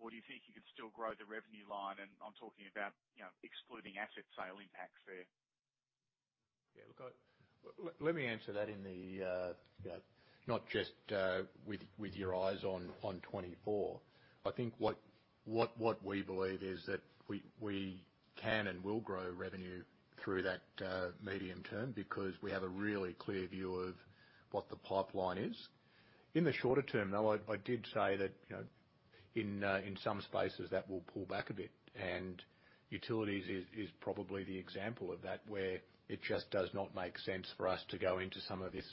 Or do you think you can still grow the revenue line? And I'm talking about, you know, excluding asset sale impacts there. Yeah, look, I. Let me answer that in the not just with your eyes on 2024. I think what we believe is that we can and will grow revenue through that medium term, because we have a really clear view of what the pipeline is. In the shorter term, though, I did say that, you know, in some spaces, that will pull back a bit, and utilities is probably the example of that, where it just does not make sense for us to go into some of this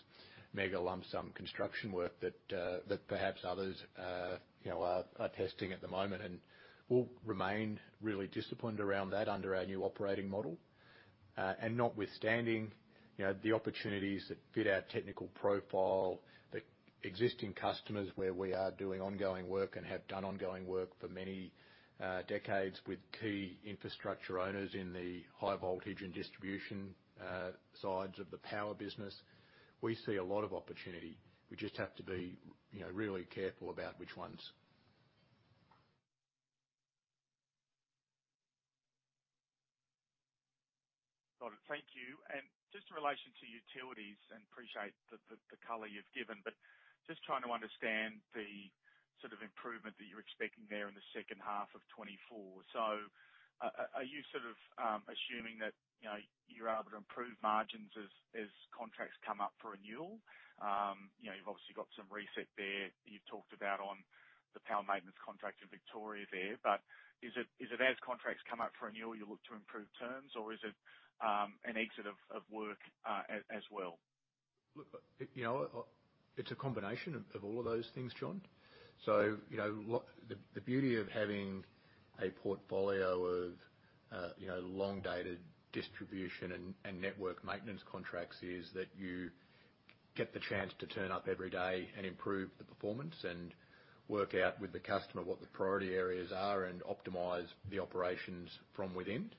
mega lump sum construction work that perhaps others, you know, are testing at the moment. And we'll remain really disciplined around that under our new operating model. Notwithstanding, you know, the opportunities that fit our technical profile, the existing customers, where we are doing ongoing work and have done ongoing work for many decades with key infrastructure owners in the high voltage and distribution sides of the power business, we see a lot of opportunity. We just have to be, you know, really careful about which ones. Got it. Thank you. Just in relation to utilities, appreciate the color you've given, but just trying to understand the sort of improvement that you're expecting there in the second half of 2024. Are you sort of assuming that, you know, you're able to improve margins as contracts come up for renewal? You know, you've obviously got some out on the power maintenance contract in Victoria there. Is it, is it as contracts come up for renewal, you look to improve terms, or is it an exit of work as well? Look, you know, it's a combination of all of those things, John. You know, the beauty of having a portfolio of, you know, long-dated distribution and network maintenance contracts, is that you get the chance to turn up every day and improve the performance, and work out with the customer what the priority areas are, and optimize the operations from within.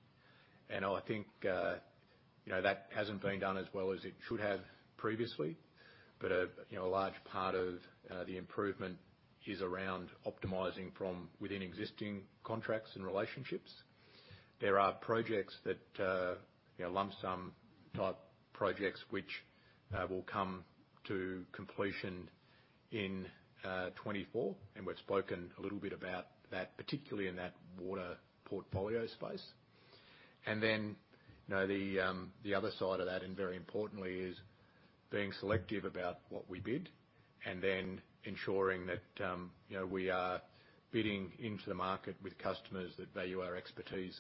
I think, you know, that hasn't been done as well as it should have previously, but, you know, a large part of the improvement is around optimizing from within existing contracts and relationships. There are projects that, you know, lump sum type projects, which, will come to completion in 2024. We've spoken a little bit about that, particularly in that water portfolio space. You know, the, the other side of that, and very importantly, is being selective about what we bid, and then ensuring that, you know, we are bidding into the market with customers that value our expertise.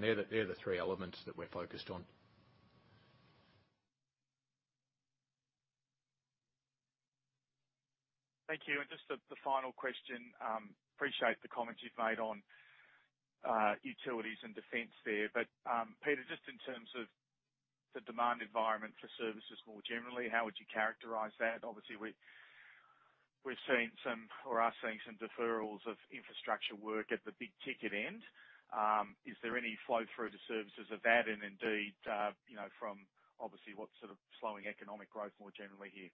They're the, they're the three elements that we're focused on. Thank you. Just the final question. Appreciate the comments you've made on utilities and Defence there. Peter, just in terms of the demand environment for services more generally, how would you characterize that? Obviously, we've seen some, or are seeing some deferrals of infrastructure work at the big ticket end. Is there any flow through the services of that? Indeed, you know, from obviously, what's sort of slowing economic growth more generally here?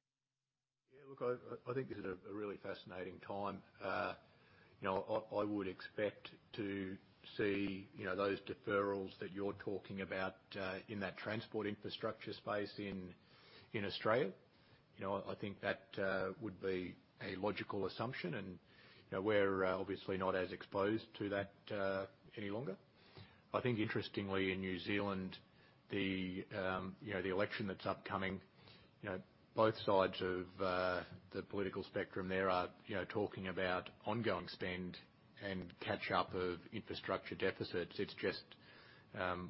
Yeah, look, I, I think this is a really fascinating time. You know, I, I would expect to see, you know, those deferrals that you're talking about, in that transport infrastructure space in Australia. You know, I think that would be a logical assumption, and, you know, we're obviously not as exposed to that any longer. I think interestingly, in New Zealand, the, you know, the election that's upcoming, you know, both sides of the political spectrum there are, you know, talking about ongoing spend and catch up of infrastructure deficits. It's just,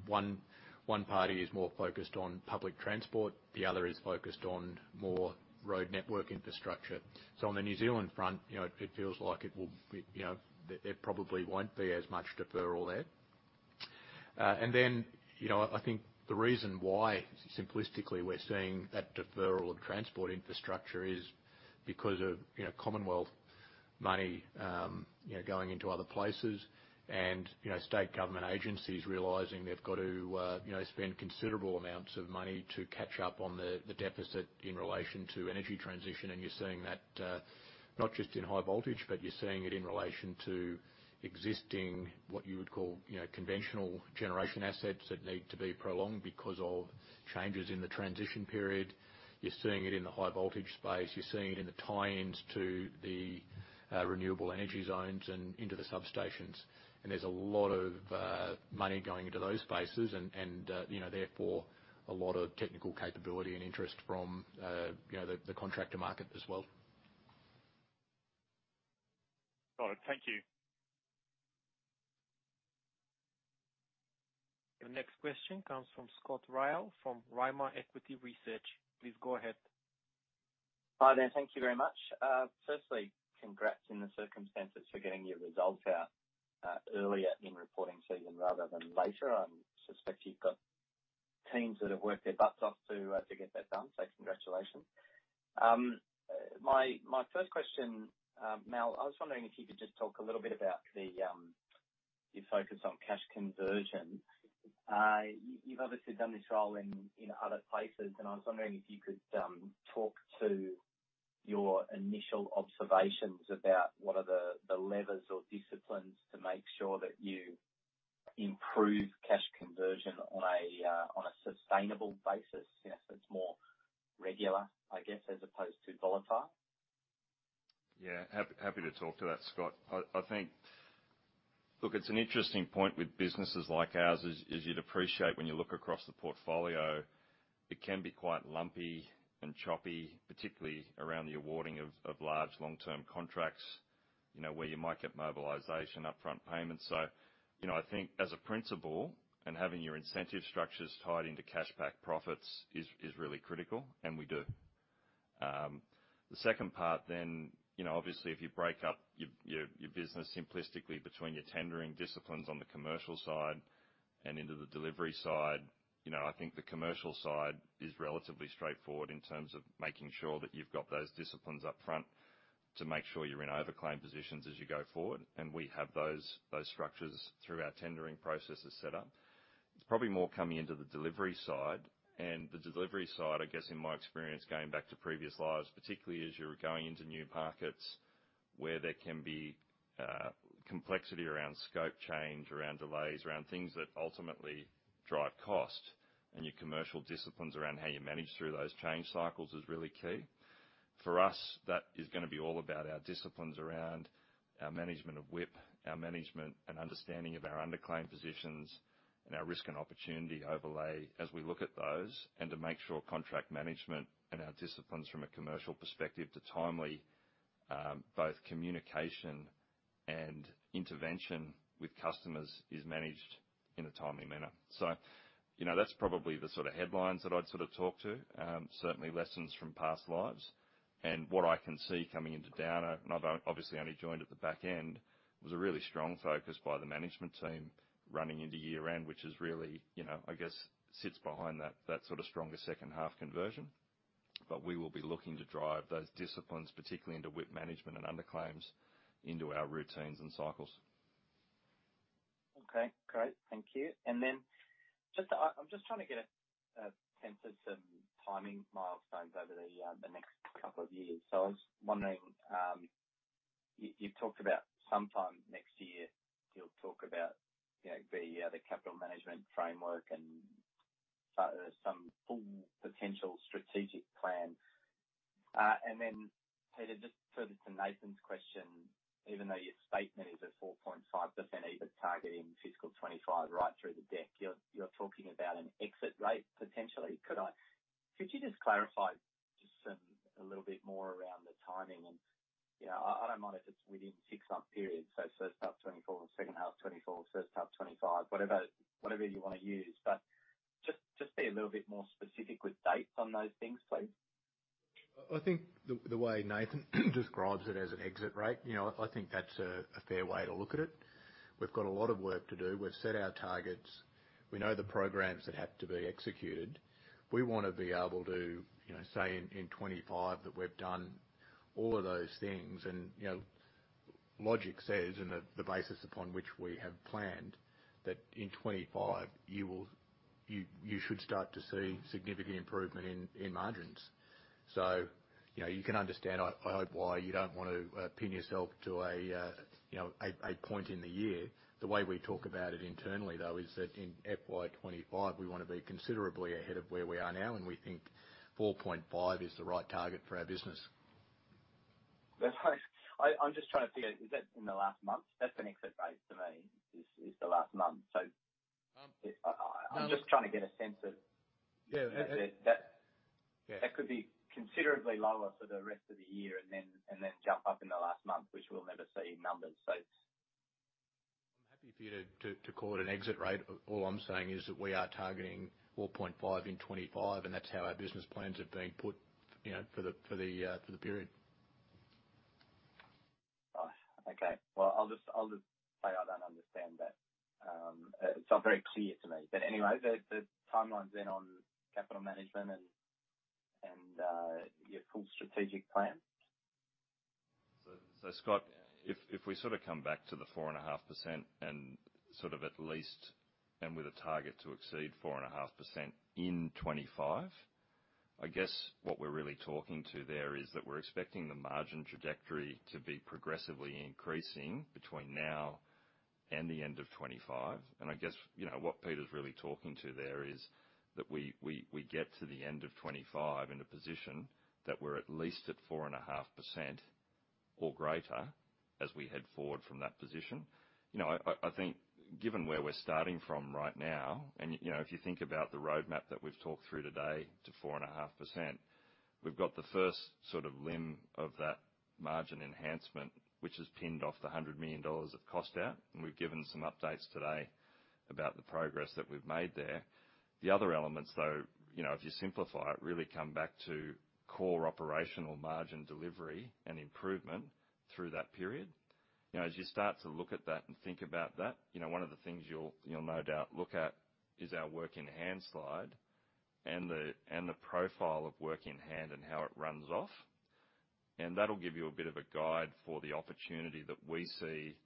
one party is more focused on public transport, the other is focused on more road network infrastructure. On the New Zealand front, you know, it, it feels like it will be, you know, there, there probably won't be as much deferral there. Then, you know, I think the reason why simplistically we're seeing that deferral of transport infrastructure is because of, you know, Commonwealth money, you know, going into other places, and, you know, state government agencies realizing they've got to, you know, spend considerable amounts of money to catch up on the, the deficit in relation to energy transition. You're seeing that, not just in high voltage, but you're seeing it in relation to existing, what you would call, you know, conventional generation assets that need to be prolonged because of changes in the transition period. You're seeing it in the high voltage space. You're seeing it in the tie-ins to the, renewable energy zones and into the substations. There's a lot of money going into those spaces and, you know, therefore, a lot of technical capability and interest from, you know, the contractor market as well. Got it. Thank you. Your next question comes from Scott Ryall, from Rimor Equity Research. Please go ahead. Hi there. Thank you very much. Firstly, congrats in the circumstances for getting your results out earlier in reporting season rather than later. I suspect you've got teams that have worked their butts off to to get that done, so congratulations. My, my first question, Mal, I was wondering if you could just talk a little bit about the your focus on cash conversion. You've obviously done this role in, in other places, and I was wondering if you could talk to your initial observations about what are the, the levers or disciplines to make sure that you improve cash conversion on a on a sustainable basis. You know, so it's more regular, I guess, as opposed to volatile. Yeah. Happy to talk to that, Scott. I think, Look, it's an interesting point with businesses like ours, as, as you'd appreciate when you look across the portfolio, it can be quite lumpy and choppy, particularly around the awarding of, of large long-term contracts, you know, where you might get mobilization upfront payments. You know, I think as a principle and having your incentive structures tied into cash back profits is, is really critical, and we do. The second part, you know, obviously, if you break up your, your, your business simplistically between your tendering disciplines on the commercial side and into the delivery side, you know, I think the commercial side is relatively straightforward in terms of making sure that you've got those disciplines up front to make sure you're in over claimed positions as you go forward, and we have those, those structures through our tendering processes set up. It's probably more coming into the delivery side. The delivery side, I guess, in my experience, going back to previous lives, particularly as you're going into new markets, where there can be complexity around scope change, around delays, around things that ultimately drive cost, and your commercial disciplines around how you manage through those change cycles is really key. For us, that is gonna be all about our disciplines around our management of WIP, our management and understanding of our underclaimed positions, and our risk and opportunity overlay as we look at those, and to make sure contract management and our disciplines from a commercial perspective to timely, both communication and intervention with customers is managed in a timely manner. You know, that's probably the sort of headlines that I'd sort of talk to. Certainly lessons from past lives. What I can see coming into Downer, and I've obviously only joined at the back end, was a really strong focus by the management team running into year-end, which is really, you know, I guess, sits behind that, that sort of stronger second half conversion. We will be looking to drive those disciplines, particularly into WIP management and underclaims, into our routines and cycles. Okay, great. Thank you. Then just, I'm just trying to get a sense of some timing milestones over the next two years. I was wondering, you've talked about sometime next year, you'll talk about, you know, the capital management framework and some full potential strategic plan. Then, Peter, just further to Nathan Reilly's question, even though your statement is at 4.5%, EBIT targeting fiscal 2025, right through the deck, you're talking about an exit rate, potentially. Could you just clarify just some, a little bit more around the timing and, you know, I don't mind if it's within six-month periods, so first half 2024, second half 2024, first half 2025, whatever, whatever you want to use. Just, just be a little bit more specific with dates on those things, please. I, I think the, the way Nathan describes it as an exit rate, you know, I think that's a, a fair way to look at it. We've got a lot of work to do. We've set our targets. We know the programs that have to be executed. We want to be able to, you know, say in, in 2025, that we've done all of those things. You know, logic says, and the basis upon which we have planned, that in 2025, you should start to see significant improvement in margins. You know, you can understand, I hope, why you don't want to pin yourself to a, you know, a point in the year. The way we talk about it internally, though, is that in FY 2025, we want to be considerably ahead of where we are now, and we think 4.5 is the right target for our business. That's why I'm just trying to figure, is that in the last month? That's an exit rate to me, is the last month. So. Um, um. I'm just trying to get a sense of- Yeah.... that, that- Yeah. That could be considerably lower for the rest of the year and then, and then jump up in the last month, which we'll never see in numbers, so. I'm happy for you to, to, to call it an exit rate. All I'm saying is that we are targeting 4.5 in FY 2025. That's how our business plans are being put, you know, for the, for the, for the period. Oh, okay. Well, I'll just say I don't understand that. It's not very clear to me. Anyway, the timelines then on capital management and your full strategic plan? So, Scott, if, if we sort of come back to the 4.5% and sort of at least, and with a target to exceed 4.5% in 2025, I guess what we're really talking to there is that we're expecting the margin trajectory to be progressively increasing between now and the end of 2025. I guess, you know, what Peter's really talking to there is that we, we, we get to the end of 2025 in a position that we're at least at 4.5% or greater as we head forward from that position. You know, I, I, I think given where we're starting from right now, and, you know, if you think about the roadmap that we've talked through today to 4.5%, we've got the first sort of limb of that margin enhancement, which is pinned off the $100 million of cost out. We've given some updates today about the progress that we've made there. The other elements, though, you know, if you simplify it, really come back to core operational margin delivery and improvement through that period. You know, as you start to look at that and think about that, you know, one of the things you'll, you'll no doubt look at is our work in hand slide and the, and the profile of work in hand and how it runs off. That'll give you a bit of a guide for the opportunity that we see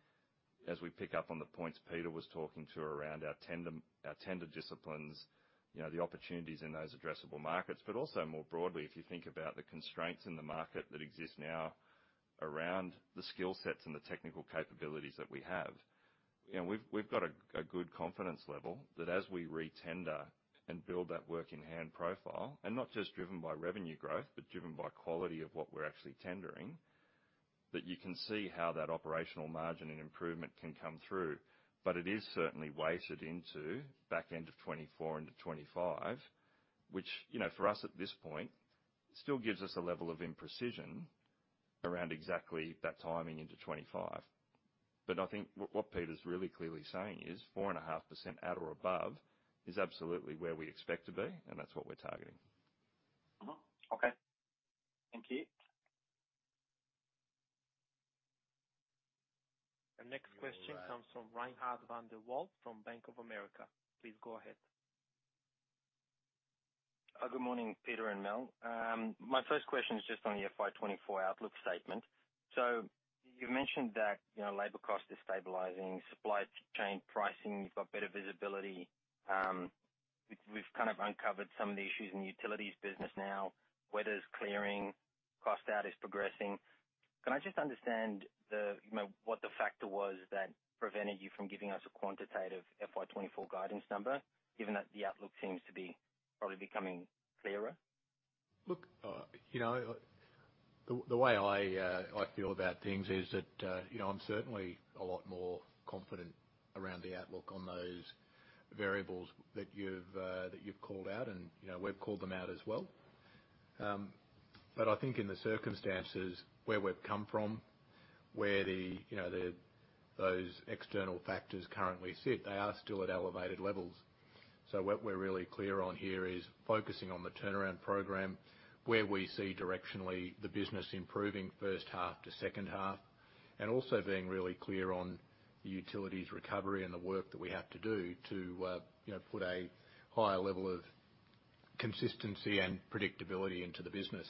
as we pick up on the points Peter was talking to around our tender, our tender disciplines, you know, the opportunities in those addressable markets. Also more broadly, if you think about the constraints in the market that exist now around the skill sets and the technical capabilities that we have, you know, we've, we've got a, a good confidence level that as we retender and build that work in hand profile, and not just driven by revenue growth, but driven by quality of what we're actually tendering, that you can see how that operational margin and improvement can come through. It is certainly weighted into back end of 2024 into 2025, which, you know, for us at this point, still gives us a level of imprecision around exactly that timing into 2025. I think what Peter's really clearly saying is 4.5% at or above is absolutely where we expect to be, and that's what we're targeting. Uh-huh. Okay. Thank you. The next question comes from Reinhardt van der Walt from Bank of America. Please go ahead. Good morning, Peter and Mal. My first question is just on the FY 2024 outlook statement. You mentioned that, you know, labor cost is stabilizing, supply chain pricing, you've got better visibility. We've kind of uncovered some of the issues in the utilities business now. Weather's clearing, cost out is progressing. Can I just understand the, you know, what the factor was that prevented you from giving us a quantitative FY 2024 guidance number, given that the outlook seems to be probably becoming clearer? Look, you know, the, the way I feel about things is that, you know, I'm certainly a lot more confident around the outlook on those variables that you've, that you've called out, and, you know, we've called them out as well. I think in the circumstances where we've come from, where the, you know, the, those external factors currently sit, they are still at elevated levels. So what we're really clear on here is focusing on the turnaround program, where we see directionally the business improving first half to second half, and also being really clear on the utilities recovery and the work that we have to do to, you know, put a higher level of consistency and predictability into the business.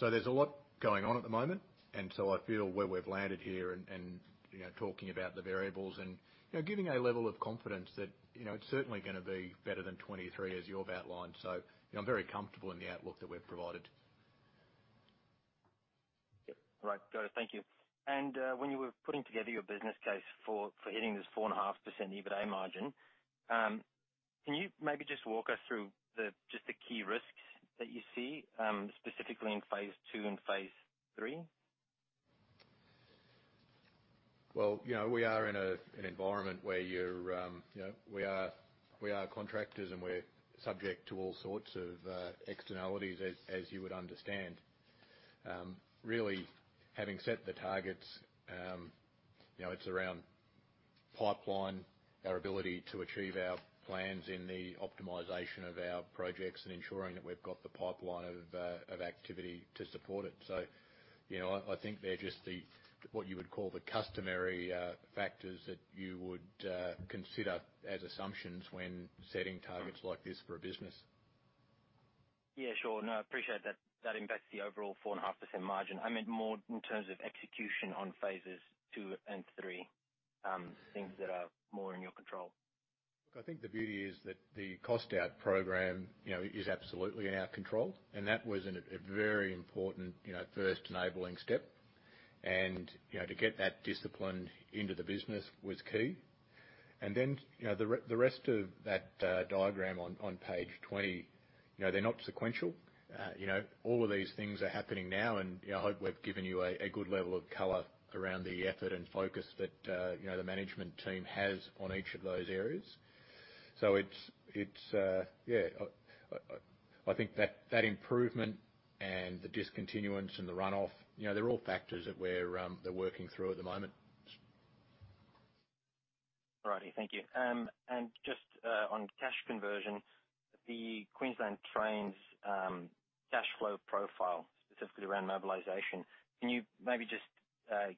There's a lot going on at the moment, and I feel where we've landed here and, you know, talking about the variables and, you know, giving a level of confidence that, you know, it's certainly gonna be better than 2023, as you've outlined. You know, I'm very comfortable in the outlook that we've provided. Yep. All right, got it. Thank you. When you were putting together your business case for, for hitting this 4.5% EBITA margin, can you maybe just walk us through the, just the key risks that you see, specifically in phase II and phase III? Well, you know, we are in a, an environment where you're, you know, we are, we are contractors, and we're subject to all sorts of externalities, as, as you would understand. Really, having set the targets, you know, it's around pipeline, our ability to achieve our plans in the optimization of our projects and ensuring that we've got the pipeline of activity to support it. So, you know, I, I think they're just the, what you would call the customary factors that you would consider as assumptions when setting targets like this for a business. Yeah, sure. No, I appreciate that, that impacts the overall 4.5% margin. I meant more in terms of execution on phases two and three, things that are more in your control. Look, I think the beauty is that the cost out program, you know, is absolutely in our control, and that was a very important, you know, first enabling step. You know, to get that discipline into the business was key. Then, you know, the rest of that diagram on page 20, you know, they're not sequential. You know, all of these things are happening now, and, you know, I hope we've given you a good level of color around the effort and focus that, you know, the management team has on each of those areas. It's... Yeah, I think that improvement and the discontinuance and the runoff, you know, they're all factors that we're working through at the moment. All righty. Thank you. Just on cash conversion, the Queensland Trains cash flow profile, specifically around mobilization, can you maybe just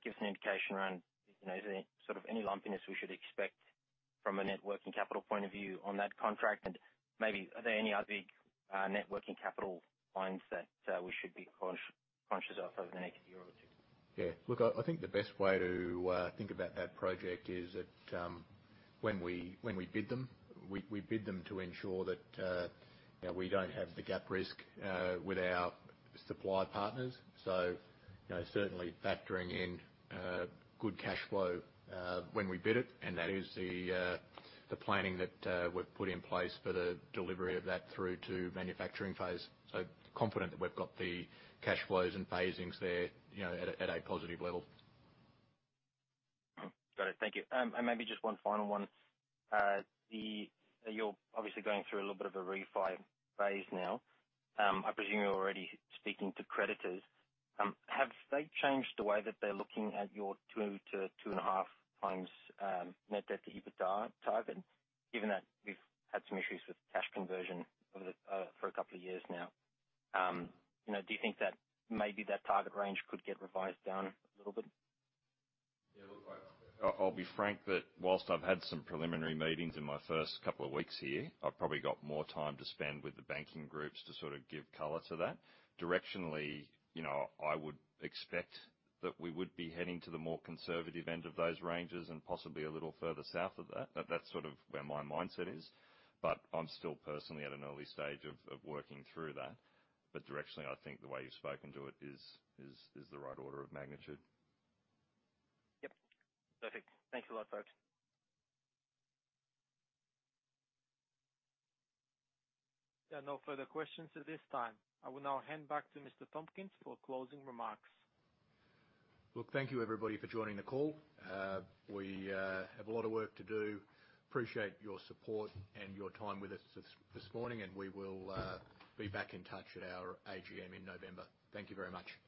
give us an indication around, you know, is there sort of any lumpiness we should expect from a net working capital point of view on that contract? Maybe are there any other big net working capital lines that we should be conscious of over the next year or two? Yeah. Look, I, I think the best way to think about that project is that when we, when we bid them, we, we bid them to ensure that, you know, we don't have the gap risk with our supplier partners. You know, certainly factoring in good cash flow when we bid it, and that is the planning that we've put in place for the delivery of that through to manufacturing phase. Confident that we've got the cash flows and phasings there, you know, at a positive level. Got it. Thank you. Maybe just one final one. You're obviously going through a little bit of a refi phase now. I presume you're already speaking to creditors. Have they changed the way that they're looking at your 2x-2.5x, net debt to EBITA target, given that we've had some issues with cash conversion over the, for a couple of years now? You know, do you think that maybe that target range could get revised down a little bit? Yeah, look, I, I'll be frank that whilst I've had some preliminary meetings in my first couple of weeks here, I've probably got more time to spend with the banking groups to sort of give color to that. Directionally, you know, I would expect that we would be heading to the more conservative end of those ranges and possibly a little further south of that. That's sort of where my mindset is, but I'm still personally at an early stage of, of working through that. Directionally, I think the way you've spoken to it is, is, is the right order of magnitude. Yep. Perfect. Thank you a lot, folks. There are no further questions at this time. I will now hand back to Mr. Tompkins for closing remarks. Look, thank you, everybody, for joining the call. We have a lot of work to do. Appreciate your support and your time with us this, this morning. We will be back in touch at our AGM in November. Thank you very much.